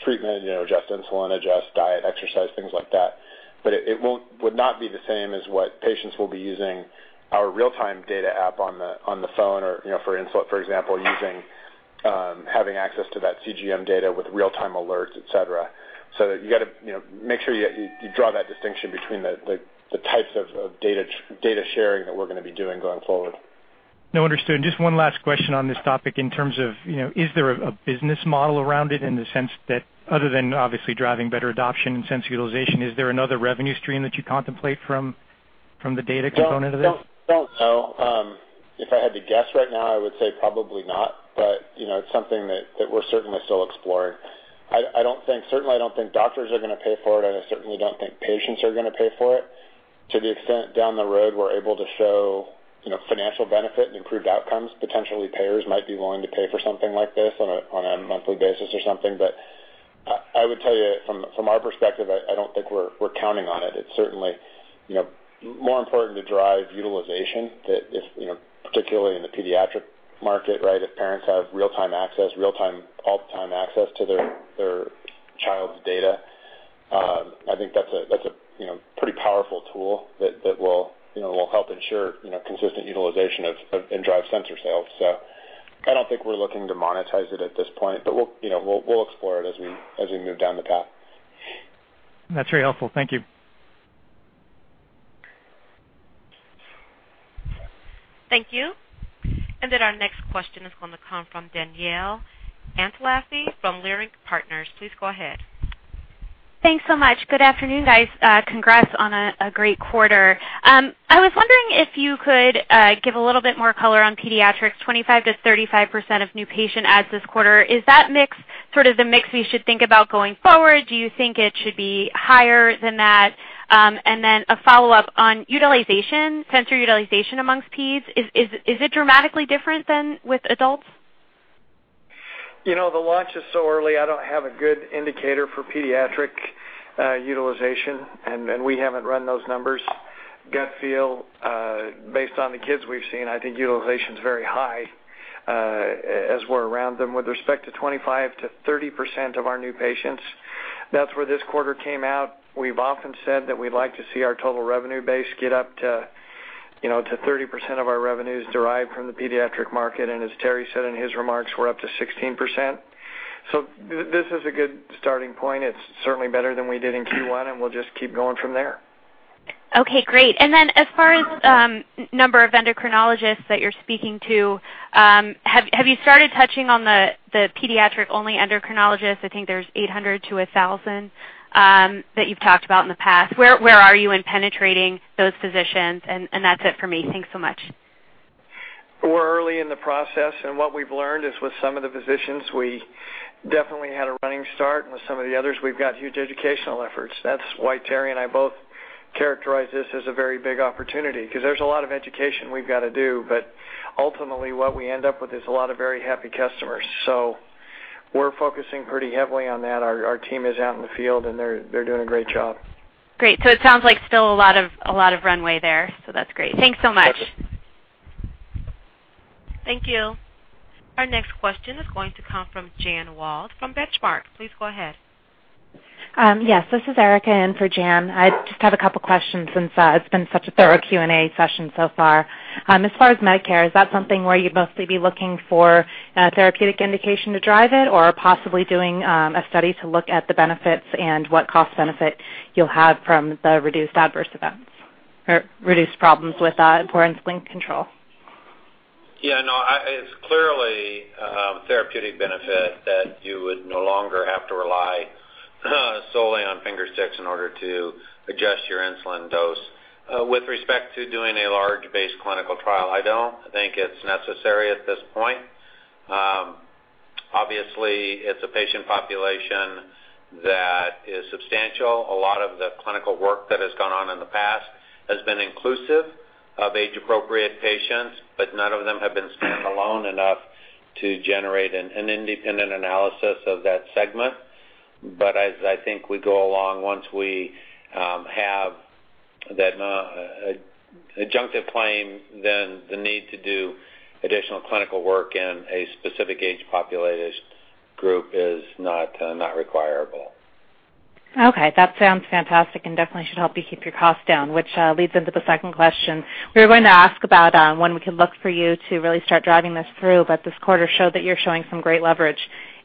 treatment, you know, adjust insulin, adjust diet, exercise, things like that. It would not be the same as what patients will be using our real-time data app on the phone or, you know, for Insulet, for example, using having access to that CGM data with real-time alerts, et cetera. You gotta, you know, make sure you draw that distinction between the types of data sharing that we're gonna be doing going forward. No, understood. Just one last question on this topic in terms of, you know, is there a business model around it in the sense that other than obviously driving better adoption and sensor utilization, is there another revenue stream that you contemplate from the data component of this? Don't know. If I had to guess right now, I would say probably not. You know, it's something that we're certainly still exploring. I don't think, certainly, I don't think doctors are gonna pay for it, and I certainly don't think patients are gonna pay for it. To the extent down the road, we're able to show, you know, financial benefit and improved outcomes, potentially payers might be willing to pay for something like this on a monthly basis or something. I would tell you from our perspective, I don't think we're counting on it. It's certainly, you know, more important to drive utilization than if, you know, particularly in the pediatric market, right? If parents have real-time access, all the time access to their child's data. I think that's a, you know, pretty powerful tool that will, you know, help ensure, you know, consistent utilization of and drive sensor sales. I don't think we're looking to monetize it at this point, but we'll, you know, explore it as we move down the path. That's very helpful. Thank you. Thank you. Our next question is gonna come from Danielle Antalffy from Leerink Partners. Please go ahead. Thanks so much. Good afternoon, guys. Congrats on a great quarter. I was wondering if you could give a little bit more color on pediatrics, 25% to 35% of new patient adds this quarter. Is that mix sort of the mix we should think about going forward? Do you think it should be higher than that? A follow-up on utilization, sensor utilization amongst peds. Is it dramatically different than with adults? You know, the launch is so early, I don't have a good indicator for pediatric utilization, and we haven't run those numbers. Gut feel, based on the kids we've seen, I think utilization's very high, as we're around them. With respect to 25% to 30% of our new patients, that's where this quarter came out. We've often said that we'd like to see our total revenue base get up to, you know, to 30% of our revenues derived from the pediatric market, and as Terry said in his remarks, we're up to 16%. This is a good starting point. It's certainly better than we did in Q1, and we'll just keep going from there. Okay, great. Then as far as number of endocrinologists that you're speaking to, have you started touching on the pediatric-only endocrinologists? I think there's 800 to 1,000 that you've talked about in the past. Where are you in penetrating those physicians? That's it for me. Thanks so much. We're early in the process, and what we've learned is with some of the physicians, we definitely had a running start, and with some of the others, we've got huge educational efforts. That's why Terry and I both characterize this as a very big opportunity because there's a lot of education we've gotta do. But ultimately, what we end up with is a lot of very happy customers. We're focusing pretty heavily on that. Our team is out in the field, and they're doing a great job. Great. It sounds like still a lot of runway there. That's great. Thanks so much. Gotcha. Thank you. Our next question is going to come from Jan Wald from Benchmark. Please go ahead. Yes, this is Erica in for Jan. I just have a couple questions since it's been such a thorough Q&A session so far. As far as Medicare, is that something where you'd mostly be looking for a therapeutic indication to drive it, or possibly doing a study to look at the benefits and what cost benefit you'll have from the reduced adverse events or reduced problems with poor insulin control? Yeah, no, it's clearly a therapeutic benefit that you would no longer have to rely solely on finger sticks in order to adjust your insulin dose. With respect to doing a large-scale clinical trial, I don't think it's necessary at this point. Obviously, it's a patient population that is substantial. A lot of the clinical work that has gone on in the past has been inclusive of age-appropriate patients, but none of them have been standalone enough to generate an independent analysis of that segment. As I think we go along, once we have that adjunctive claim, then the need to do additional clinical work in a specific age population group is not required. Okay. That sounds fantastic and definitely should help you keep your costs down, which leads into the second question. We were going to ask about when we could look for you to really start driving this through, but this quarter showed that you're showing some great leverage.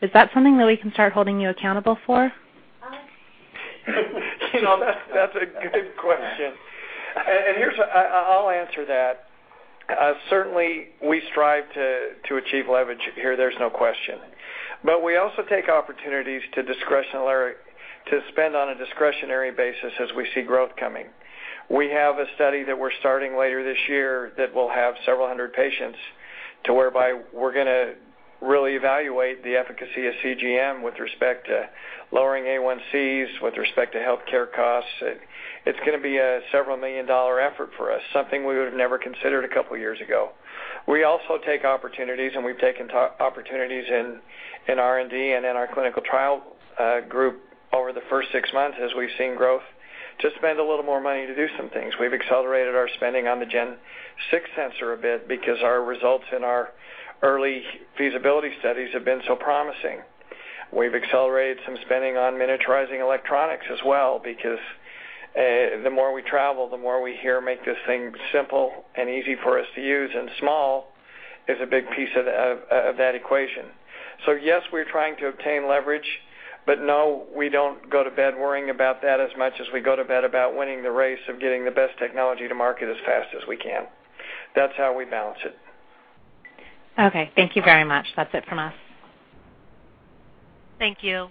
Is that something that we can start holding you accountable for? You know, that's a good question. I'll answer that. Certainly we strive to achieve leverage here, there's no question. We also take opportunities to spend on a discretionary basis as we see growth coming. We have a study that we're starting later this year that will have several hundred patients, whereby we're gonna really evaluate the efficacy of CGM with respect to lowering A1Cs, with respect to healthcare costs. It's gonna be a several-million-dollar effort for us, something we would have never considered a couple years ago. We also take opportunities, and we've taken those opportunities in R&D and in our clinical trial group over the first six months as we've seen growth to spend a little more money to do some things. We've accelerated our spending on the Gen 6 sensor a bit because our results in our early feasibility studies have been so promising. We've accelerated some spending on miniaturizing electronics as well because the more we travel, the more we hear, "Make this thing simple and easy for us to use," and small is a big piece of that equation. Yes, we're trying to obtain leverage, but no, we don't go to bed worrying about that as much as we go to bed about winning the race of getting the best technology to market as fast as we can. That's how we balance it. Okay. Thank you very much. That's it from us. Thank you.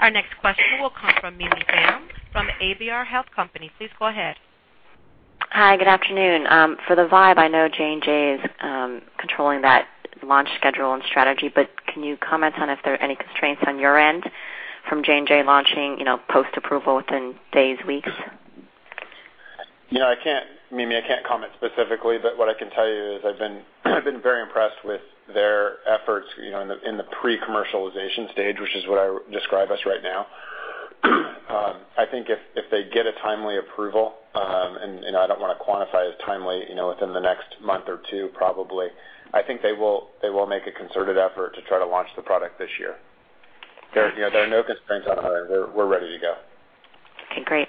Our next question will come from Mimi Tam from ABR Health Company. Please go ahead. Hi, good afternoon. For the Vibe, I know J&J is controlling that launch schedule and strategy, but can you comment on if there are any constraints on your end from J&J launching, you know, post-approval within days, weeks? You know, I can't, Mimi, comment specifically, but what I can tell you is I've been very impressed with their efforts, you know, in the pre-commercialization stage, which is what I describe as right now. I think if they get a timely approval, and I don't wanna quantify what's timely, you know, within the next month or two probably, I think they will make a concerted effort to try to launch the product this year. You know, there are no constraints on our end. We're ready to go. Okay, great.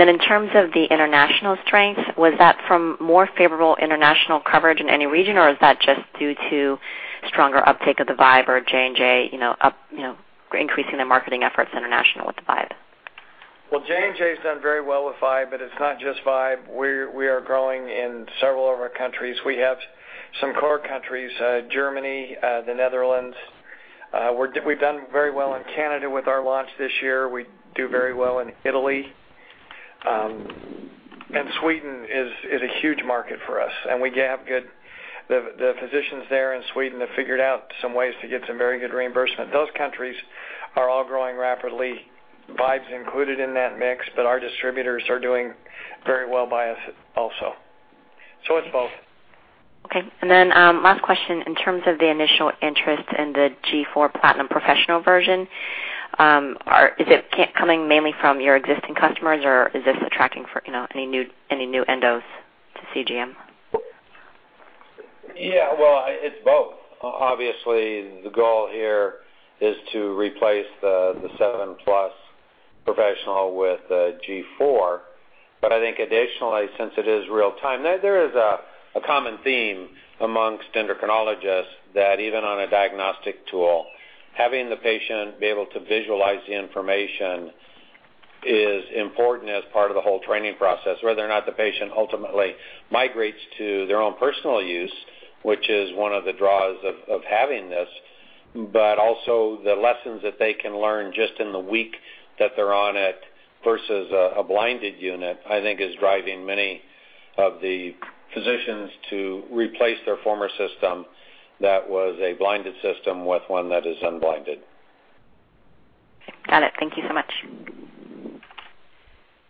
In terms of the international strength, was that from more favorable international coverage in any region? Or is that just due to stronger uptake of the Vibe or J&J, you know, you know, increasing their marketing efforts internationally with the Vibe? Well, J&J has done very well with Vibe, but it's not just Vibe. We are growing in several of our countries. We have some core countries, Germany, the Netherlands. We've done very well in Canada with our launch this year. We do very well in Italy. Sweden is a huge market for us, and the physicians there in Sweden have figured out some ways to get some very good reimbursement. Those countries are all growing rapidly, Vibe's included in that mix, but our distributors are doing very well by us also. It's both. Okay. Last question. In terms of the initial interest in the G4 PLATINUM Professional version, is it coming mainly from your existing customers, or is this attracting for, you know, any new endos to CGM? Yeah, well, it's both. Obviously, the goal here is to replace the Dexcom Seven Plus with the G4. I think additionally, since it is real time, there is a common theme amongst endocrinologists that even on a diagnostic tool, having the patient be able to visualize the information is important as part of the whole training process. Whether or not the patient ultimately migrates to their own personal use, which is one of the draws of having this. Also the lessons that they can learn just in the week that they're on it versus a blinded unit, I think is driving many of the physicians to replace their former system that was a blinded system with one that is unblinded. Okay. Got it. Thank you so much.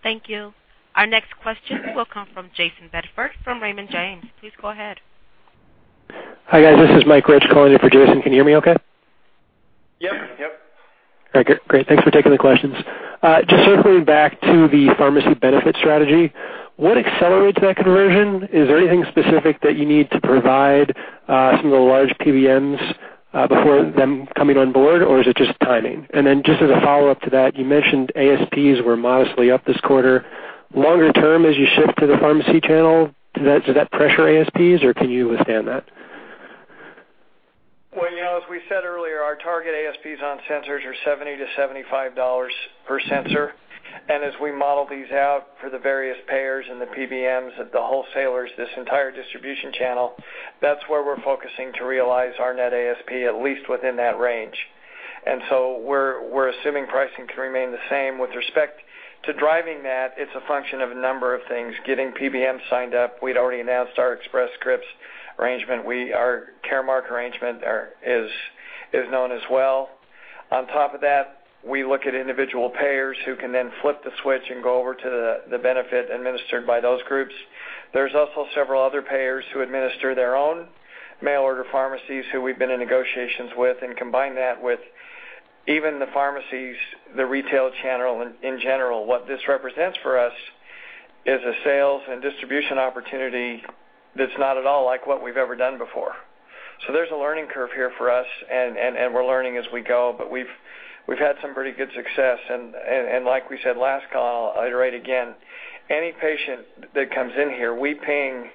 Thank you. Our next question will come from Jayson Bedford from Raymond James. Please go ahead. Hi, guys. This is Mike Wetzel calling in for Jason. Can you hear me okay? Yep. Yep. All right, good. Great. Thanks for taking the questions. Just circling back to the pharmacy benefit strategy, what accelerates that conversion? Is there anything specific that you need to provide some of the large PBMs before them coming on board, or is it just timing? Just as a follow-up to that, you mentioned ASPs were modestly up this quarter. Longer term, as you shift to the pharmacy channel, does that pressure ASPs, or can you withstand that? Well, you know, as we said earlier, our target ASPs on sensors are $70 to $75 per sensor. As we model these out for the various payers and the PBMs of the wholesalers, this entire distribution channel, that's where we're focusing to realize our net ASP, at least within that range. We're assuming pricing can remain the same. With respect to driving that, it's a function of a number of things. Getting PBM signed up. We'd already announced our Express Scripts arrangement. Our Caremark arrangement is known as well. On top of that, we look at individual payers who can then flip the switch and go over to the benefit administered by those groups. There's also several other payers who administer their own mail order pharmacies who we've been in negotiations with, and combine that with even the pharmacies, the retail channel in general. What this represents for us is a sales and distribution opportunity that's not at all like what we've ever done before. There's a learning curve here for us, and we're learning as we go. We've had some pretty good success. Like we said last call, I'll iterate again. Any patient that comes in here, we ping,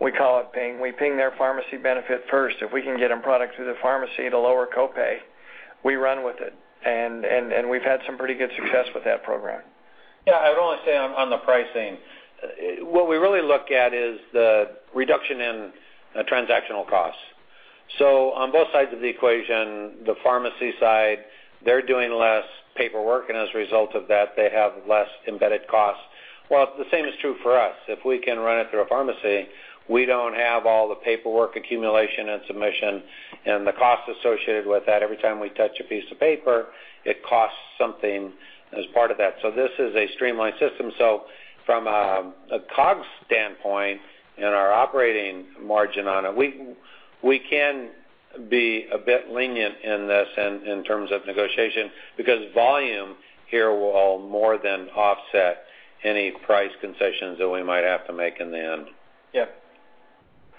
we call it ping. We ping their pharmacy benefit first. If we can get them product through the pharmacy at a lower copay, we run with it. We've had some pretty good success with that program. Yeah, I would only say on the pricing. What we really look at is the reduction in transactional costs. On both sides of the equation, the pharmacy side, they're doing less paperwork, and as a result of that, they have less embedded costs. Well, the same is true for us. If we can run it through a pharmacy, we don't have all the paperwork accumulation and submission and the costs associated with that. Every time we touch a piece of paper, it costs something as part of that. This is a streamlined system. From a COGS standpoint and our operating margin on it, we can be a bit lenient in this in terms of negotiation because volume here will more than offset any price concessions that we might have to make in the end. Yeah.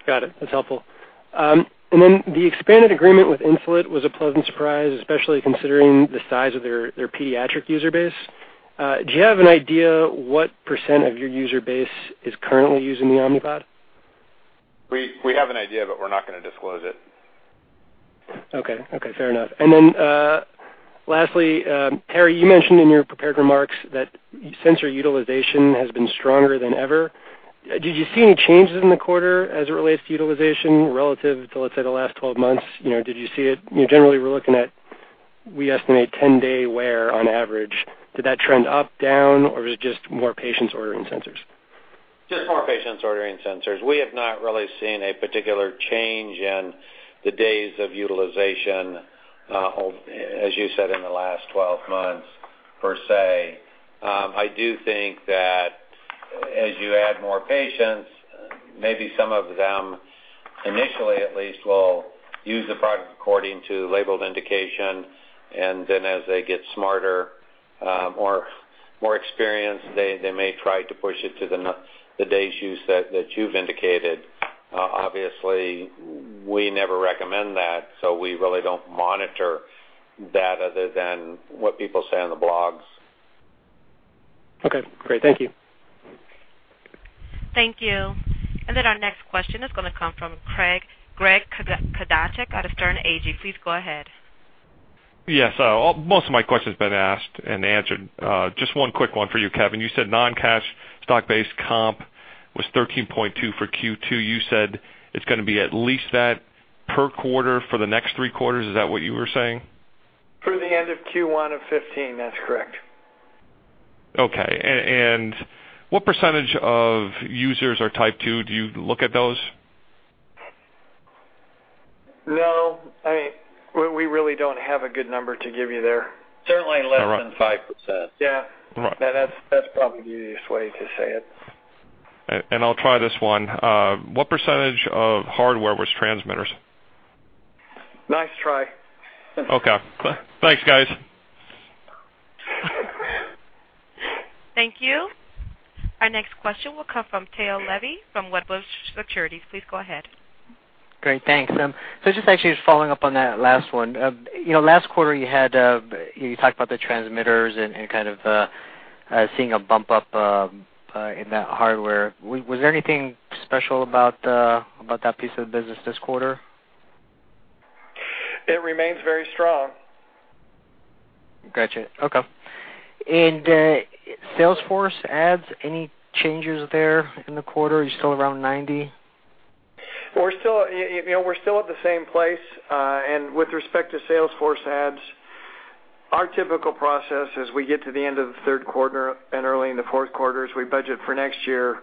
Got it. That's helpful. The expanded agreement with Insulet was a pleasant surprise, especially considering the size of their pediatric user base. Do you have an idea what percent of your user base is currently using the Omnipod? We have an idea, but we're not gonna disclose it. Okay. Okay. Fair enough. Lastly, Terry, you mentioned in your prepared remarks that sensor utilization has been stronger than ever. Did you see any changes in the quarter as it relates to utilization relative to, let's say, the last 12 months? You know, did you see it? You know, generally, we're looking at, we estimate 10-day wear on average. Did that trend up, down, or was it just more patients ordering sensors? Just more patients ordering sensors. We have not really seen a particular change in the days of utilization, as you said, in the last 12 months, per se. I do think that as you add more patients, maybe some of them, initially at least, will use the product according to labeled indication, and then as they get smarter, or more experienced, they may try to push it to the days use that you've indicated. Obviously, we never recommend that, so we really don't monitor that other than what people say on the blogs. Okay, great. Thank you. Thank you. Our next question is gonna come from Greg Kudacek out of Sterne, Agee & Leach. Please go ahead. Yes. Most of my question's been asked and answered. Just one quick one for you, Kevin. You said non-cash stock-based comp was $13.2 for Q2. You said it's gonna be at least that per quarter for the next three quarters. Is that what you were saying? Through the end of Q1 of 2015, that's correct. Okay. What percentage of users are type II? Do you look at those? No. I mean, we really don't have a good number to give you there. Certainly less than 5%. Yeah. All right. That's probably the easiest way to say it. I'll try this one. What percentage of hardware was transmitters? Nice try. Okay. Thanks, guys. Thank you. Our next question will come from Tao Levy from Wedbush Securities. Please go ahead. Great. Thanks. Just actually just following up on that last one. You know, last quarter, you had you talked about the transmitters and kind of seeing a bump up in that hardware. Was there anything special about that piece of business this quarter? It remains very strong. Gotcha. Okay. Sales force adds, any changes there in the quarter? Are you still around 90? We're still at the same place. With respect to sales force adds, our typical process as we get to the end of the third quarter and early in the fourth quarter is we budget for next year.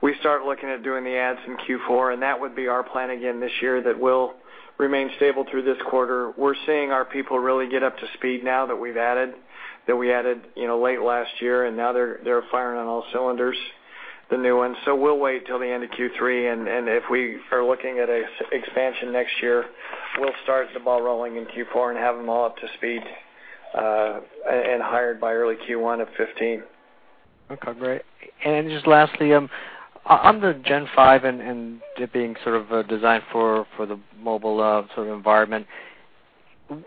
We start looking at doing the adds in Q4, and that would be our plan again this year that we'll remain stable through this quarter. We're seeing our people really get up to speed now that we've added, you know, late last year, and now they're firing on all cylinders, the new ones. We'll wait till the end of Q3, and if we are looking at a sales expansion next year, we'll start the ball rolling in Q4 and have them all up to speed, and hired by early Q1 of 2015. Okay, great. Just lastly, on the Gen 5 and it being sort of designed for the mobile sort of environment,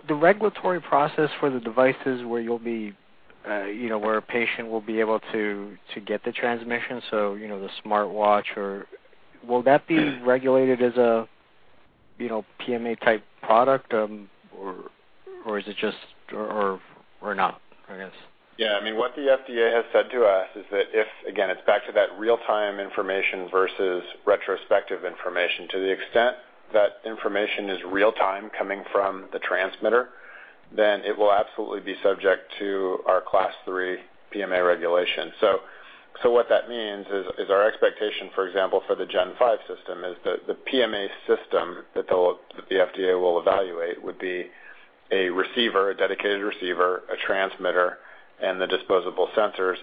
the regulatory process for the devices where you know where a patient will be able to get the transmission, so you know the smartwatch or. Will that be regulated as a PMA-type product, or is it just or not, I guess? Yeah. I mean, what the FDA has said to us is that if, again, it's back to that real-time information versus retrospective information. To the extent that information is real-time coming from the transmitter, then it will absolutely be subject to our Class III PMA regulation. What that means is our expectation, for example, for the Gen 5 system is that the PMA system that the FDA will evaluate would be a receiver, a dedicated receiver, a transmitter, and the disposable sensors.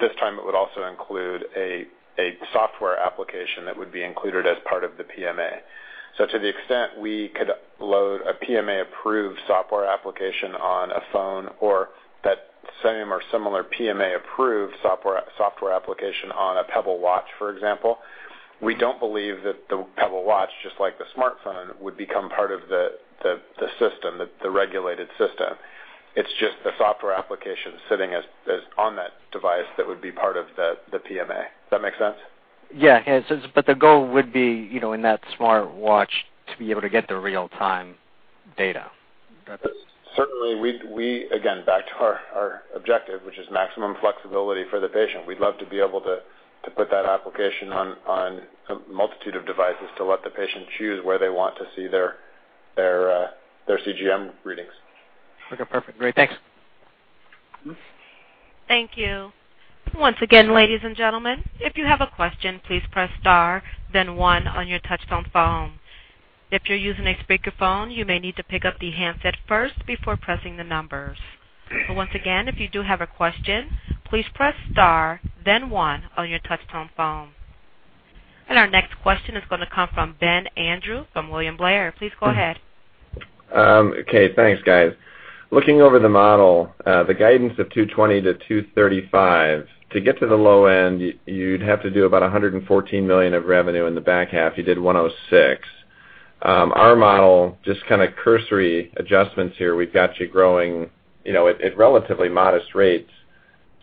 This time it would also include a software application that would be included as part of the PMA. To the extent we could load a PMA-approved software application on a phone or that same or similar PMA-approved software application on a Pebble watch, for example, we don't believe that the Pebble watch, just like the smartphone, would become part of the system, the regulated system. It's just the software application sitting as on that device that would be part of the PMA. Does that make sense? Yeah. The goal would be, you know, in that smartwatch to be able to get the real-time data. Certainly, again, back to our objective, which is maximum flexibility for the patient. We'd love to be able to put that application on a multitude of devices to let the patient choose where they want to see their CGM readings. Okay, perfect. Great. Thanks. Thank you. Once again, ladies and gentlemen, if you have a question, please press star then one on your touch-tone phone. If you're using a speakerphone, you may need to pick up the handset first before pressing the numbers. Once again, if you do have a question, please press star then one on your touch-tone phone. Our next question is gonna come from Ben Andrew from William Blair. Please go ahead. Okay. Thanks, guys. Looking over the model, the guidance of $220 million to $235 million, to get to the low end, you'd have to do about $114 million of revenue in the back half. You did $106 million. Our model, just kinda cursory adjustments here, we've got you growing, you know, at relatively modest rates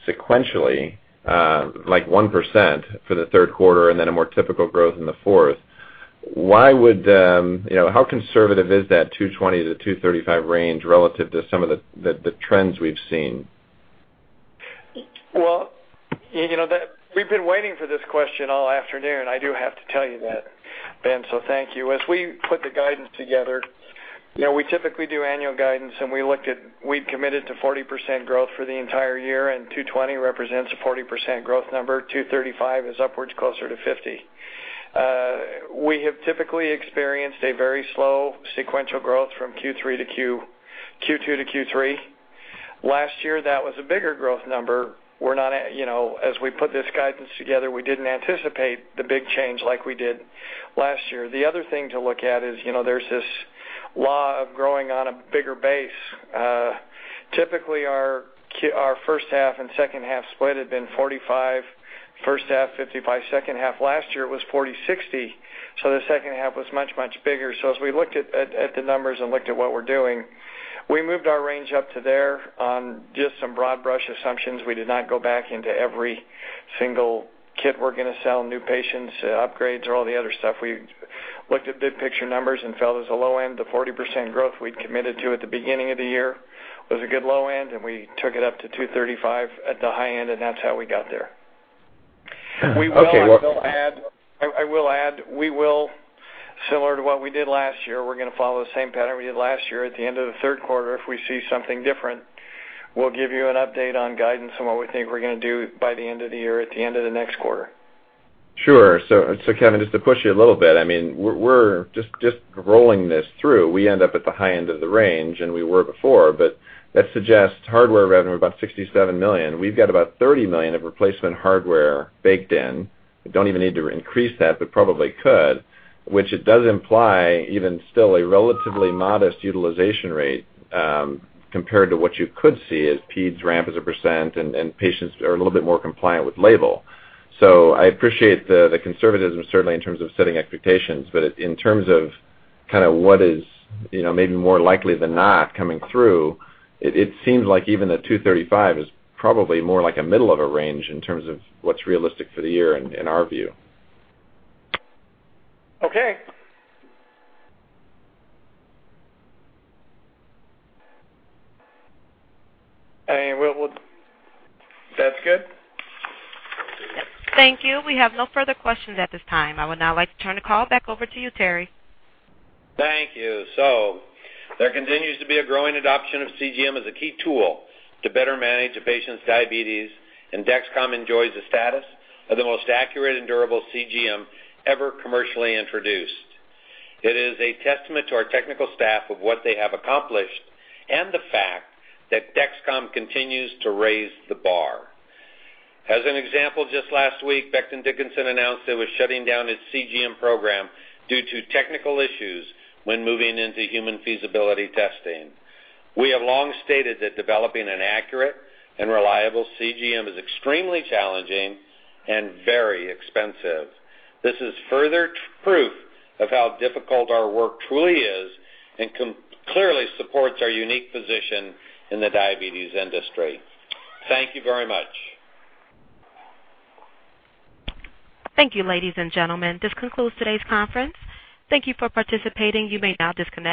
sequentially, like 1% for the third quarter and then a more typical growth in the fourth. Why would, you know, how conservative is that $220 million to $235 million range relative to some of the trends we've seen? Well, you know, we've been waiting for this question all afternoon. I do have to tell you that, Ben Andrew, so thank you. As we put the guidance together, you know, we typically do annual guidance, and we'd committed to 40% growth for the entire year, and $220 million represents a 40% growth number. $235 million is upwards closer to 50%. We have typically experienced a very slow sequential growth from Q2 to Q3. Last year, that was a bigger growth number. We're not, you know, as we put this guidance together, we didn't anticipate the big change like we did last year. The other thing to look at is, you know, there's this law of growing on a bigger base. Typically, our first half and second half split had been 45% first half, 55% second half. Last year it was 40/60, so the second half was much, much bigger. As we looked at the numbers and looked at what we're doing, we moved our range up to there on just some broad brush assumptions. We did not go back into every single kit we're gonna sell, new patients, upgrades or all the other stuff. We looked at big picture numbers and felt, as a low end, the 40% growth we'd committed to at the beginning of the year was a good low end, and we took it up to $235 at the high end, and that's how we got there. Okay. We will, similar to what we did last year, we're gonna follow the same pattern we did last year. At the end of the third quarter, if we see something different, we'll give you an update on guidance and what we think we're gonna do by the end of the year at the end of the next quarter. Sure. Kevin, just to push you a little bit, I mean, we're just rolling this through. We end up at the high end of the range, and we were before, but that suggests hardware revenue of about $67 million. We've got about $30 million of replacement hardware baked in. We don't even need to increase that, but probably could. Which it does imply even still a relatively modest utilization rate, compared to what you could see as PEDS ramp as a percent and patients are a little bit more compliant with label. I appreciate the conservatism certainly in terms of setting expectations. In terms of kinda what is, you know, maybe more likely than not coming through, it seems like even the $235 is probably more like a middle of a range in terms of what's realistic for the year in our view. Okay. I mean, we'll. That's good. Thank you. We have no further questions at this time. I would now like to turn the call back over to you, Terry. Thank you. There continues to be a growing adoption of CGM as a key tool to better manage a patient's diabetes, and Dexcom enjoys the status of the most accurate and durable CGM ever commercially introduced. It is a testament to our technical staff of what they have accomplished and the fact that Dexcom continues to raise the bar. As an example, just last week, Becton Dickinson announced it was shutting down its CGM program due to technical issues when moving into human feasibility testing. We have long stated that developing an accurate and reliable CGM is extremely challenging and very expensive. This is further proof of how difficult our work truly ist and clearly supports our unique position in the diabetes industry. Thank you very much. Thank you, ladies and gentlemen. This concludes today's conference. Thank you for participating. You may now disconnect.